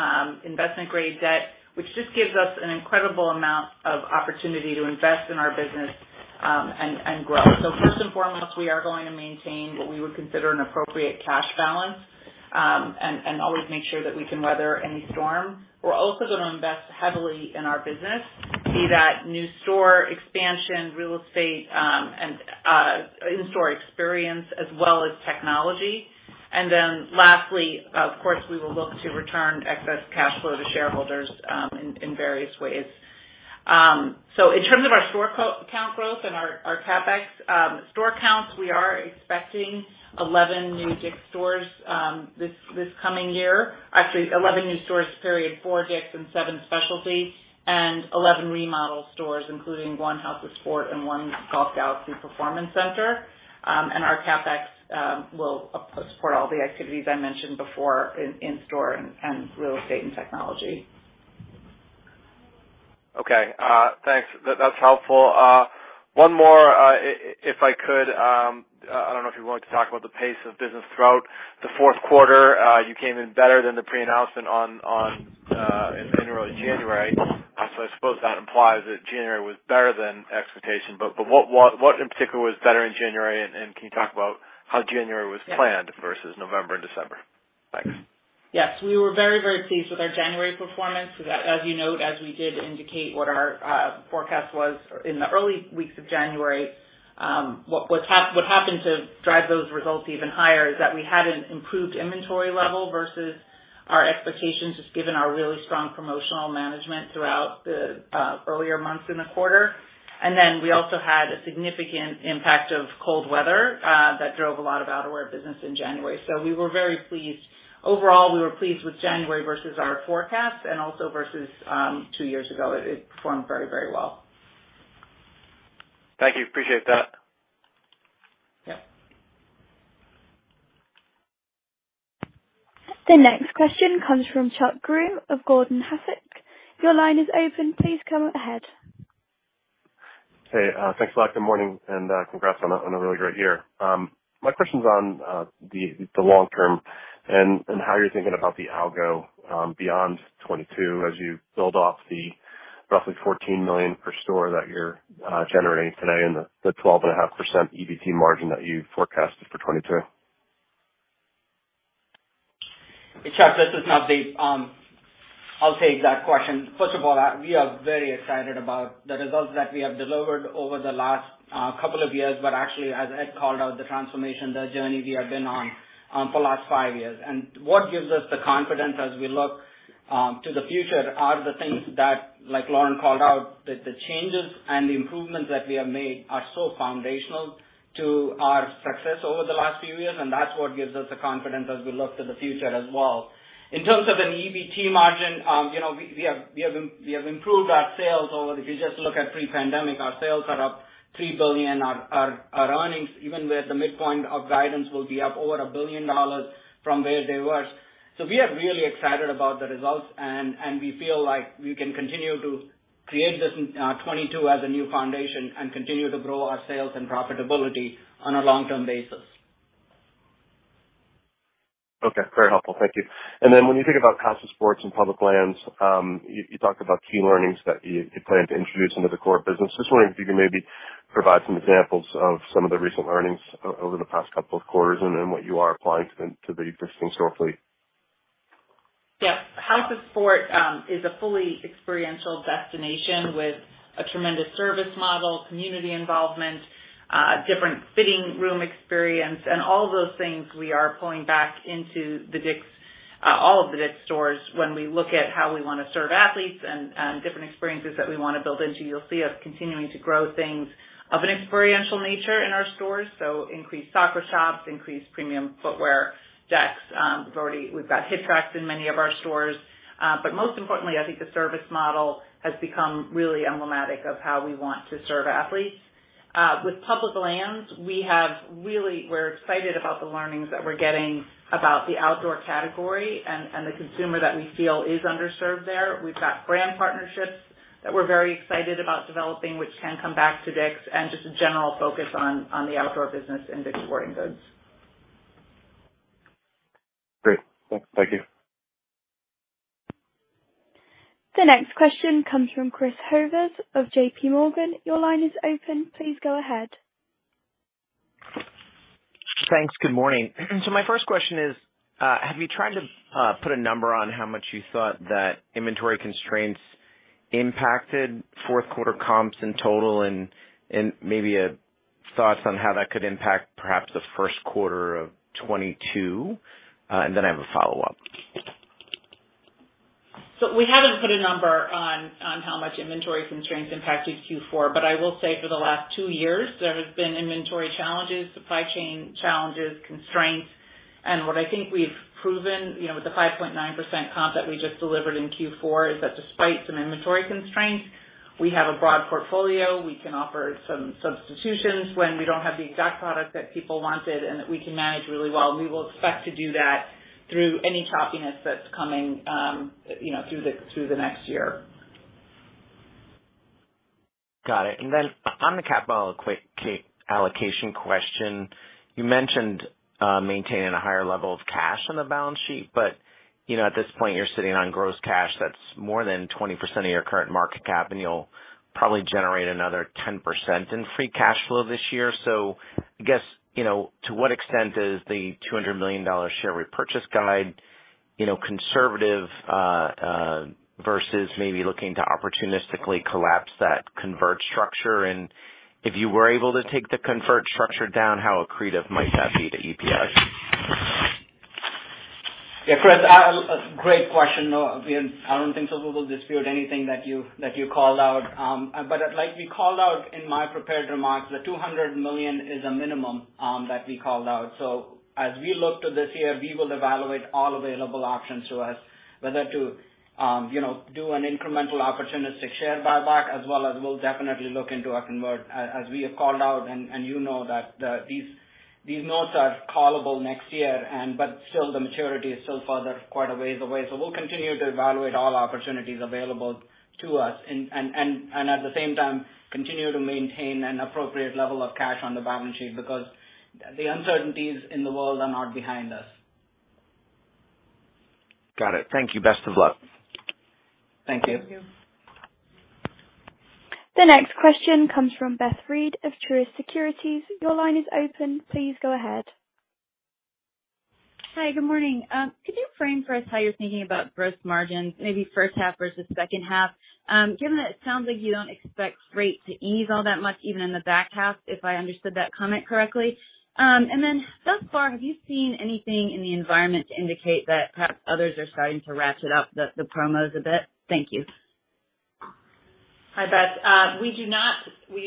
investment grade debt, which just gives us an incredible amount of opportunity to invest in our business, and grow. First and foremost, we are going to maintain what we would consider an appropriate cash balance, and always make sure that we can weather any storm. We're also gonna invest heavily in our business, be that new store expansion, real estate, and in-store experience as well as technology. Then lastly, of course, we will look to return excess cash flow to shareholders, in various ways. In terms of our store count growth and our CapEx, store counts, we are expecting 11 new DICK'S stores, this coming year. Actually, 11 new stores period, 4 DICK'S and 7 specialty, and 11 remodel stores, including 1 House of Sport and 1 Golf Galaxy Performance Center. Our CapEx will support all the activities I mentioned before in store and real estate and technology. Okay. Thanks. That's helpful. One more, if I could. I don't know if you're willing to talk about the pace of business throughout the fourth quarter. You came in better than the pre-announcement on in early January. I suppose that implies that January was better than expectation. What in particular was better in January, and can you talk about how January was planned versus November and December? Thanks. Yes. We were very, very pleased with our January performance. As you note, as we did indicate what our forecast was in the early weeks of January, what happened to drive those results even higher is that we had an improved inventory level versus our expectations, just given our really strong promotional management throughout the earlier months in the quarter. We also had a significant impact of cold weather that drove a lot of outerwear business in January. We were very pleased. Overall, we were pleased with January versus our forecast and also versus two years ago. It performed very, very well. Thank you. Appreciate that. Yep. The next question comes from Chuck Grom of Gordon Haskett. Your line is open. Please go ahead. Hey, thanks a lot. Good morning, and congrats on a really great year. My question's on the long term and how you're thinking about the algo beyond 2022 as you build off the roughly $14 million per store that you're generating today and the 12.5% EBT margin that you forecasted for 2022. Hey, Chuck, this is Navdeep. I'll take that question. First of all, we are very excited about the results that we have delivered over the last couple of years, but actually, as Ed called out, the transformation, the journey we have been on for the last five years. What gives us the confidence as we look to the future are the things that, like Lauren called out, the changes and the improvements that we have made are so foundational to our success over the last few years, and that's what gives us the confidence as we look to the future as well. In terms of an EBT margin, we have improved our sales. If you just look at pre-pandemic, our sales are up $3 billion. Our earnings, even with the midpoint of guidance, will be up over $1 billion from where they were. We are really excited about the results, and we feel like we can continue to create this 2022 as a new foundation and continue to grow our sales and profitability on a long-term basis. Okay. Very helpful. Thank you. When you think about concept stores and Public Lands, you talked about key learnings that you plan to introduce into the core business. Just wondering if you can maybe Provide some examples of some of the recent learnings over the past couple of quarters and then what you are applying to the business going forward. Yeah. House of Sport is a fully experiential destination with a tremendous service model, community involvement, different fitting room experience, and all of those things we are pulling back into the DICK'S, all of the DICK'S stores when we look at how we wanna serve athletes and different experiences that we wanna build into. You'll see us continuing to grow things of an experiential nature in our stores, so increased soccer shops, increased premium footwear decks. We've got HitTrax in many of our stores. But most importantly, I think the service model has become really emblematic of how we want to serve athletes. With Public Lands, we're excited about the learnings that we're getting about the outdoor category and the consumer that we feel is underserved there. We've got brand partnerships that we're very excited about developing, which can come back to DICK'S, and just a general focus on the outdoor business in DICK'S Sporting Goods. Great. Thank you. The next question comes from Chris Horvers of JPMorgan. Your line is open. Please go ahead. Good morning. My first question is, have you tried to put a number on how much you thought that inventory constraints impacted fourth quarter comps in total and maybe thoughts on how that could impact perhaps the first quarter of 2022? I have a follow-up. We haven't put a number on how much inventory constraints impacted Q4, but I will say for the last two years, there have been inventory challenges, supply chain challenges, constraints. What I think we've proven, you know, with the 5.9% comp that we just delivered in Q4 is that despite some inventory constraints, we have a broad portfolio. We can offer some substitutions when we don't have the exact product that people wanted and that we can manage really well. We will expect to do that through any choppiness that's coming, you know, through the next year. Got it. Then on the capital allocation question, you mentioned maintaining a higher level of cash on the balance sheet, but you know, at this point, you're sitting on gross cash that's more than 20% of your current market cap, and you'll probably generate another 10% in free cash flow this year. I guess, you know, to what extent is the $200 million share repurchase guide, you know, conservative versus maybe looking to opportunistically collapse that convert structure? And if you were able to take the convert structure down, how accretive might that be to EPS? Yeah, Chris, great question. No, again, I don't think so we'll dispute anything that you called out. But like we called out in my prepared remarks, the $200 million is a minimum that we called out. As we look to this year, we will evaluate all available options to us whether to, you know, do an incremental opportunistic share buyback, as well as we'll definitely look into a convertible as we have called out. And you know that, the these notes are callable next year but still the maturity is still further quite a ways away. We'll continue to evaluate all opportunities available to us and at the same time, continue to maintain an appropriate level of cash on the balance sheet because the uncertainties in the world are not behind us. Got it. Thank you. Best of luck. Thank you. Thank you. The next question comes from Beth Reed of Truist Securities. Your line is open. Please go ahead. Hi. Good morning. Could you frame for us how you're thinking about gross margins, maybe first half versus second half, given that it sounds like you don't expect freight to ease all that much even in the back half, if I understood that comment correctly? Thus far, have you seen anything in the environment to indicate that perhaps others are starting to ratchet up the promos a bit? Thank you. Hi, Beth. We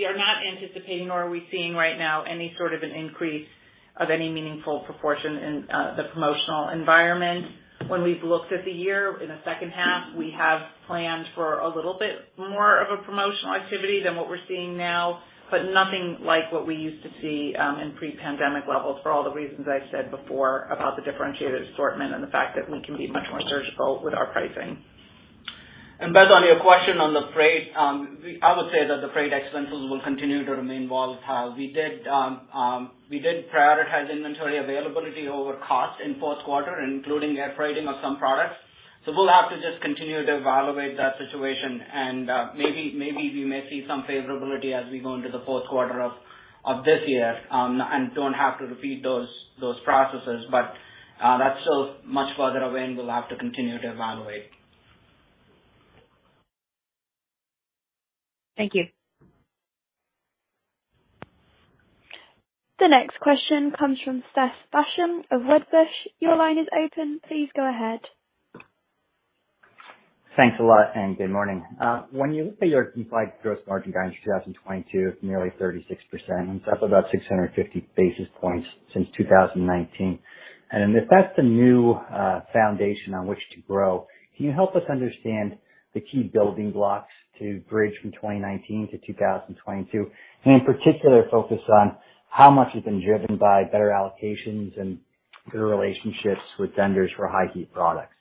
are not anticipating nor are we seeing right now any sort of an increase of any meaningful proportion in the promotional environment. When we've looked at the year in the second half, we have planned for a little bit more of a promotional activity than what we're seeing now, but nothing like what we used to see in pre-pandemic levels for all the reasons I said before about the differentiated assortment and the fact that we can be much more surgical with our pricing. Beth, on your question on the freight, I would say that the freight expenses will continue to remain volatile. We did prioritize inventory availability over cost in fourth quarter, including air freighting of some products. We'll have to just continue to evaluate that situation and maybe we may see some favorability as we go into the fourth quarter of this year and don't have to repeat those processes. That's still much further away, and we'll have to continue to evaluate. Thank you. The next question comes from Seth Basham of Wedbush. Your line is open. Please go ahead. Thanks a lot, and good morning. When you look at your implied gross margin guidance for 2022 of nearly 36%, that's about 650 basis points since 2019. If that's the new foundation on which to grow, can you help us understand the key building blocks to bridge from 2019 to 2022? In particular, focus on how much has been driven by better allocations and good relationships with vendors for high-heat products.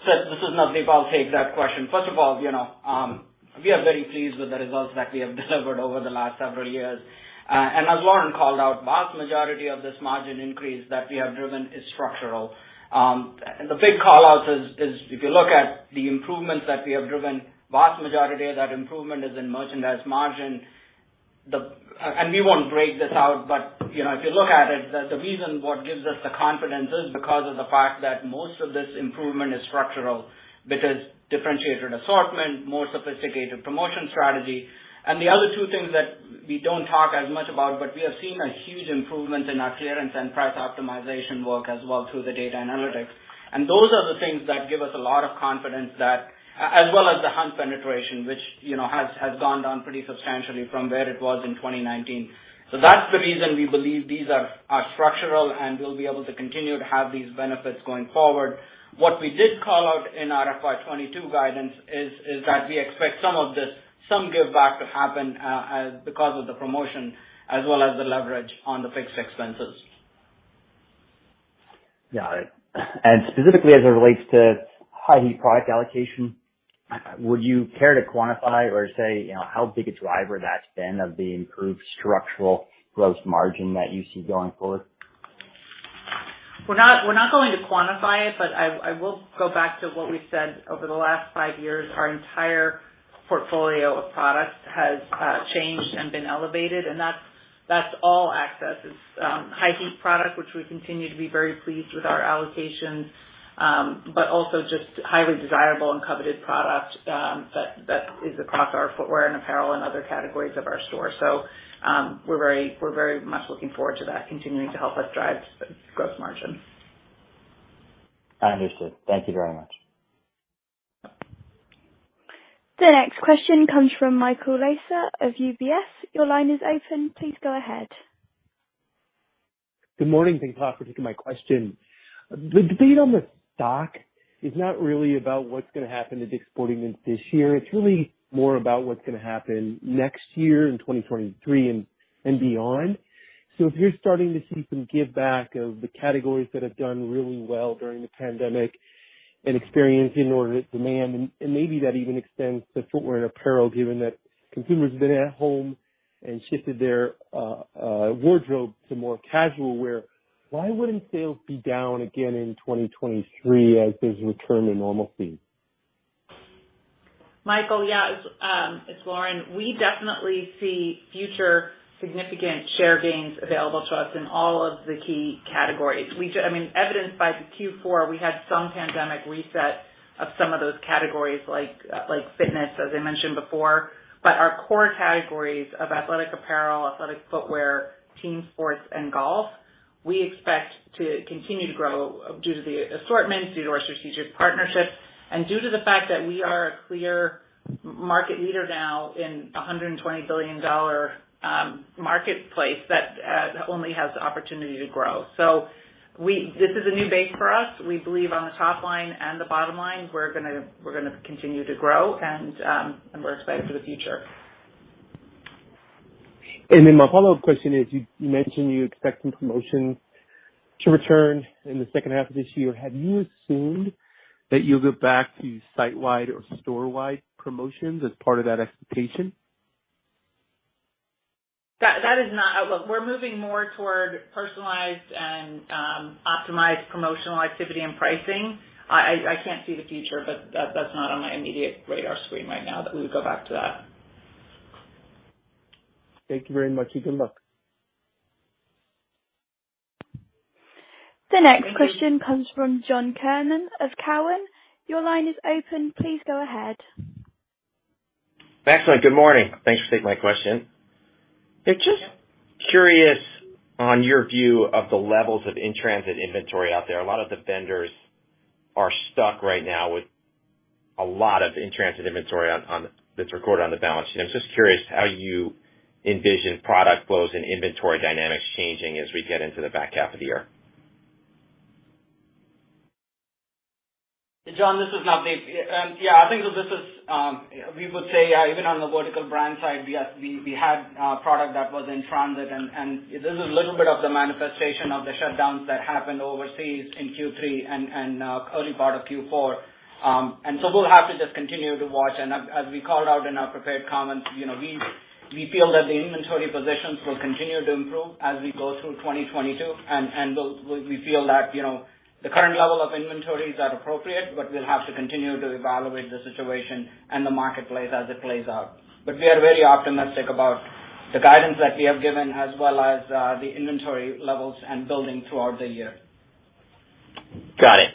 Seth, this is Navdeep. I'll take that question. First of all, you know, we are very pleased with the results that we have delivered over the last several years. As Lauren called out, vast majority of this margin increase that we have driven is structural. The big call-outs is if you look at the improvements that we have driven, vast majority of that improvement is in merchandise margin. We won't break this out, but, you know, if you look at it, the reason what gives us the confidence is because of the fact that most of this improvement is structural because differentiated assortment, more sophisticated promotion strategy. The other two things that we don't talk as much about, but we are seeing a huge improvement in our clearance and price optimization work as well through the data analytics. Those are the things that give us a lot of confidence that as well as the hunt penetration, which, you know, has gone down pretty substantially from where it was in 2019. That's the reason we believe these are structural, and we'll be able to continue to have these benefits going forward. What we did call out in our FY 2022 guidance is that we expect some of this, some giveback to happen, as because of the promotion as well as the leverage on the fixed expenses. Got it. Specifically as it relates to high heat product allocation, would you care to quantify or say, you know, how big a driver that's been of the improved structural gross margin that you see going forward? We're not going to quantify it, but I will go back to what we said over the last five years. Our entire portfolio of products has changed and been elevated, and that's all access. It's high heat product, which we continue to be very pleased with our allocation, but also just highly desirable and coveted product that is across our footwear and apparel and other categories of our store. We're very much looking forward to that continuing to help us drive gross margin. Understood. Thank you very much. The next question comes from Michael Lasser of UBS. Your line is open. Please go ahead. Good morning. Thanks a lot for taking my question. The debate on the stock is not really about what's gonna happen to DICK'S Sporting Goods this year. It's really more about what's gonna happen next year in 2023 and beyond. If you're starting to see some giveback of the categories that have done really well during the pandemic and experience inordinate demand, and maybe that even extends to footwear and apparel, given that consumers have been at home and shifted their wardrobe to more casual wear, why wouldn't sales be down again in 2023 as there's a return to normalcy? Michael, yeah, it's Lauren. We definitely see future significant share gains available to us in all of the key categories. Evidenced by the Q4, we had some pandemic reset of some of those categories like fitness, as I mentioned before. Our core categories of athletic apparel, athletic footwear, team sports, and golf, we expect to continue to grow due to the assortment, due to our strategic partnerships, and due to the fact that we are a clear market leader now in a $120 billion marketplace that only has the opportunity to grow. This is a new base for us. We believe on the top line and the bottom line, we're gonna continue to grow, and we're excited for the future. My follow-up question is, you mentioned you expect some promotions to return in the second half of this year. Have you assumed that you'll go back to site-wide or store-wide promotions as part of that expectation? That is not. Look, we're moving more toward personalized and optimized promotional activity and pricing. I can't see the future, but that's not on my immediate radar screen right now that we would go back to that. Thank you very much. Keep in touch. The next question comes from John Kernan of Cowen. Your line is open. Please go ahead. Excellent. Good morning. Thanks for taking my question. Just curious on your view of the levels of in-transit inventory out there. A lot of the vendors are stuck right now with a lot of in-transit inventory that's recorded on the balance sheet. I'm just curious how you envision product flows and inventory dynamics changing as we get into the back half of the year. John, this is Navdeep. I think that this is we would say even on the vertical brand side, yes, we had product that was in transit, and this is a little bit of the manifestation of the shutdowns that happened overseas in Q3 and early part of Q4. We'll have to just continue to watch. As we called out in our prepared comments, you know, we feel that the inventory positions will continue to improve as we go through 2022, and we feel that, you know, the current level of inventories are appropriate, but we'll have to continue to evaluate the situation and the marketplace as it plays out. We are very optimistic about the guidance that we have given as well as, the inventory levels and building throughout the year. Got it.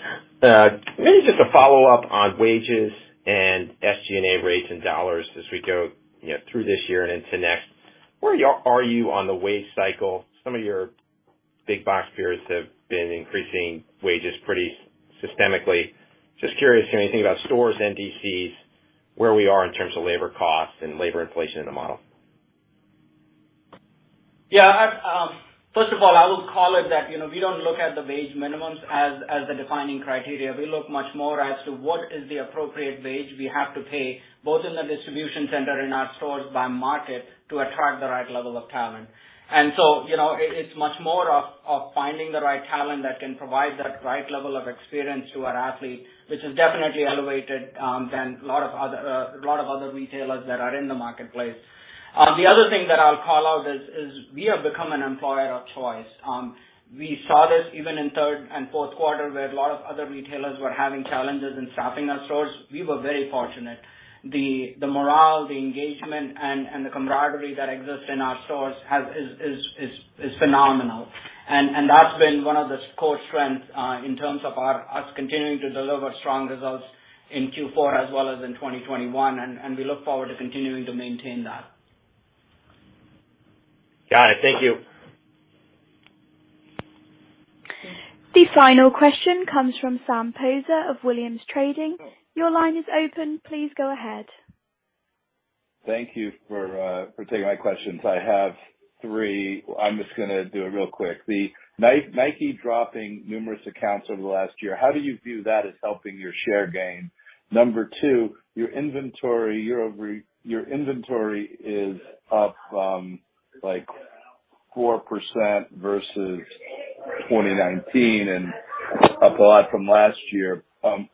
Maybe just a follow-up on wages and SG&A rates and dollars as we go, you know, through this year and into next. Where are you on the wage cycle? Some of your big box peers have been increasing wages pretty systematically. Just curious, can we think about stores, DCs, where we are in terms of labor costs and labor inflation in the model. Yeah. First of all, I would call it that, you know, we don't look at the wage minimums as the defining criteria. We look much more as to what is the appropriate wage we have to pay, both in the distribution center in our stores by market, to attract the right level of talent. You know, it's much more of finding the right talent that can provide that right level of experience to our athlete, which is definitely elevated than a lot of other retailers that are in the marketplace. The other thing that I'll call out is we have become an employer of choice. We saw this even in third and fourth quarter, where a lot of other retailers were having challenges in staffing their stores. We were very fortunate. The morale, the engagement, and the camaraderie that exists in our stores is phenomenal. That's been one of the core strengths in terms of us continuing to deliver strong results in Q4 as well as in 2021, and we look forward to continuing to maintain that. Got it. Thank you. The final question comes from Sam Poser of Williams Trading. Your line is open. Please go ahead. Thank you for taking my questions. I have three. I'm just gonna do it real quick. Nike dropping numerous accounts over the last year, how do you view that as helping your share gain? Number two, your inventory year-over-year is up like 4% versus 2019 and up a lot from last year.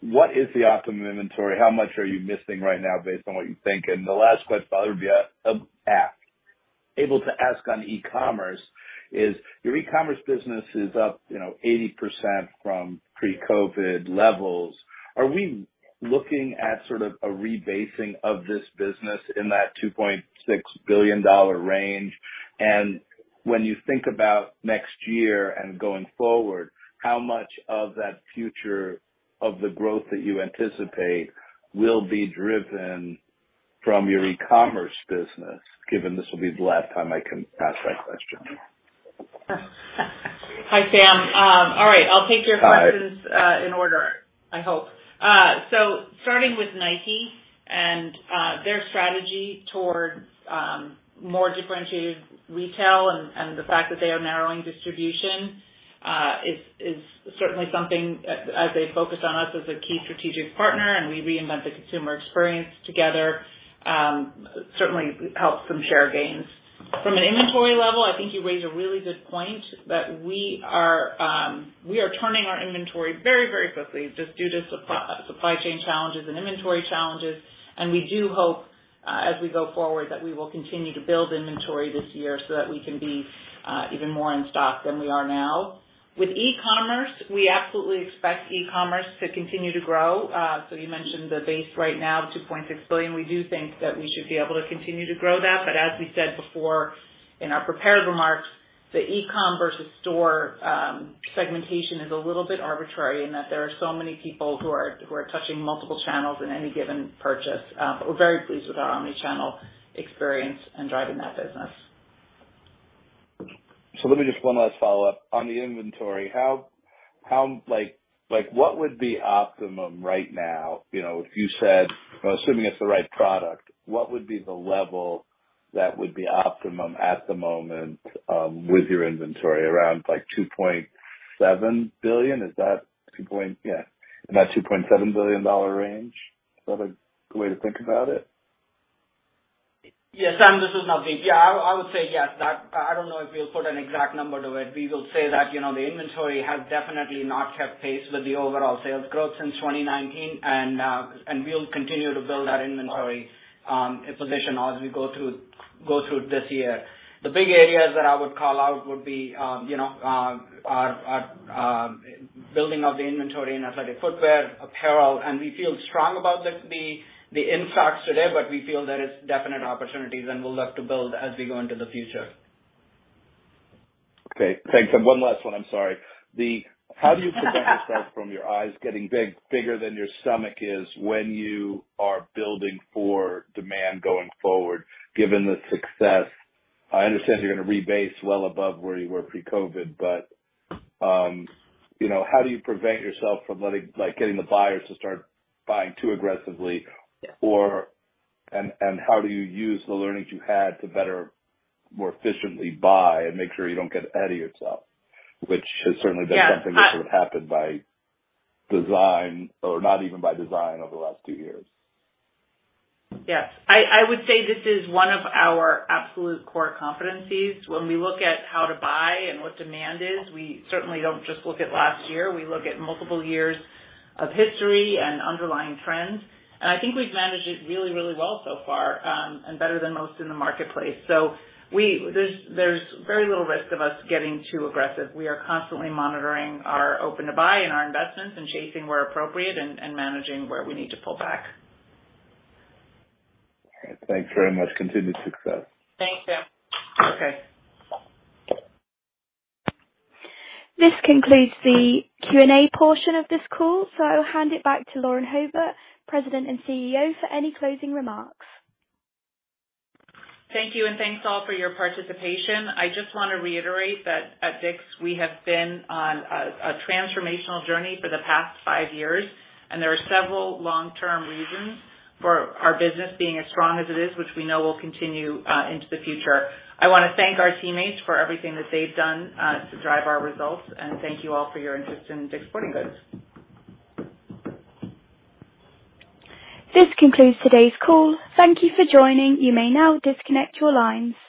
What is the optimum inventory? How much are you missing right now based on what you think? The last question, I'll be able to ask on e-commerce is, your e-commerce business is up 80% from pre-COVID levels. Are we looking at sort of a rebasing of this business in that $2.6 billion range? When you think about next year and going forward, how much of that future of the growth that you anticipate will be driven from your e-commerce business, given this will be the last time I can ask that question? Hi, Sam. All right. Hi. I'll take your questions in order, I hope. So starting with Nike and their strategy towards more differentiated retail and the fact that they are narrowing distribution is certainly something as they focus on us as a key strategic partner and we reinvent the consumer experience together certainly helps some share gains. From an inventory level, I think you raise a really good point that we are turning our inventory very, very quickly just due to supply chain challenges and inventory challenges. We do hope as we go forward that we will continue to build inventory this year so that we can be even more in stock than we are now. With e-commerce, we absolutely expect e-commerce to continue to grow. You mentioned the base right now, $2.6 billion. We do think that we should be able to continue to grow that. As we said before in our prepared remarks, the e-com versus store segmentation is a little bit arbitrary in that there are so many people who are touching multiple channels in any given purchase. We're very pleased with our omni-channel experience in driving that business. Let me just one last follow-up. On the inventory, how, like, what would be optimum right now? You know, if you said, assuming it's the right product, what would be the level that would be optimum at the moment, with your inventory around like $2.7 billion? Is that in that $2.7 billion range? Is that a way to think about it? Yes. Sam, this is Navdeep. Yeah, I would say yes. I don't know if we'll put an exact number to it. We will say that, you know, the inventory has definitely not kept pace with the overall sales growth since 2019. We'll continue to build our inventory position as we go through this year. The big areas that I would call out would be, you know, building out the inventory in athletic footwear, apparel. We feel strong about the in-stocks today, but we feel there is definite opportunities and we'll look to build as we go into the future. Okay. Thanks. One last one. I'm sorry. How do you prevent yourself from your eyes getting bigger than your stomach is when you are building for demand going forward, given the success? I understand you're gonna rebase well above where you were pre-COVID, but you know, how do you prevent yourself from letting like, getting the buyers to start buying too aggressively? Yeah. how do you use the learnings you had to better, more efficiently buy and make sure you don't get ahead of yourself? Which has certainly been something- Yeah, that would happen by design or not even by design over the last two years. Yes. I would say this is one of our absolute core competencies. When we look at how to buy and what demand is, we certainly don't just look at last year. We look at multiple years of history and underlying trends. I think we've managed it really, really well so far, and better than most in the marketplace. There's very little risk of us getting too aggressive. We are constantly monitoring our open to buy and our investments and chasing where appropriate and managing where we need to pull back. All right. Thanks very much. Continued success. Thanks, Sam. Okay. This concludes the Q&A portion of this call, so I'll hand it back to Lauren Hobart, President and CEO, for any closing remarks. Thank you, and thanks, all, for your participation. I just wanna reiterate that at DICK'S, we have been on a transformational journey for the past five years, and there are several long-term reasons for our business being as strong as it is, which we know will continue into the future. I wanna thank our teammates for everything that they've done to drive our results, and thank you, all, for your interest in DICK'S Sporting Goods. This concludes today's call. Thank you for joining. You may now disconnect your lines.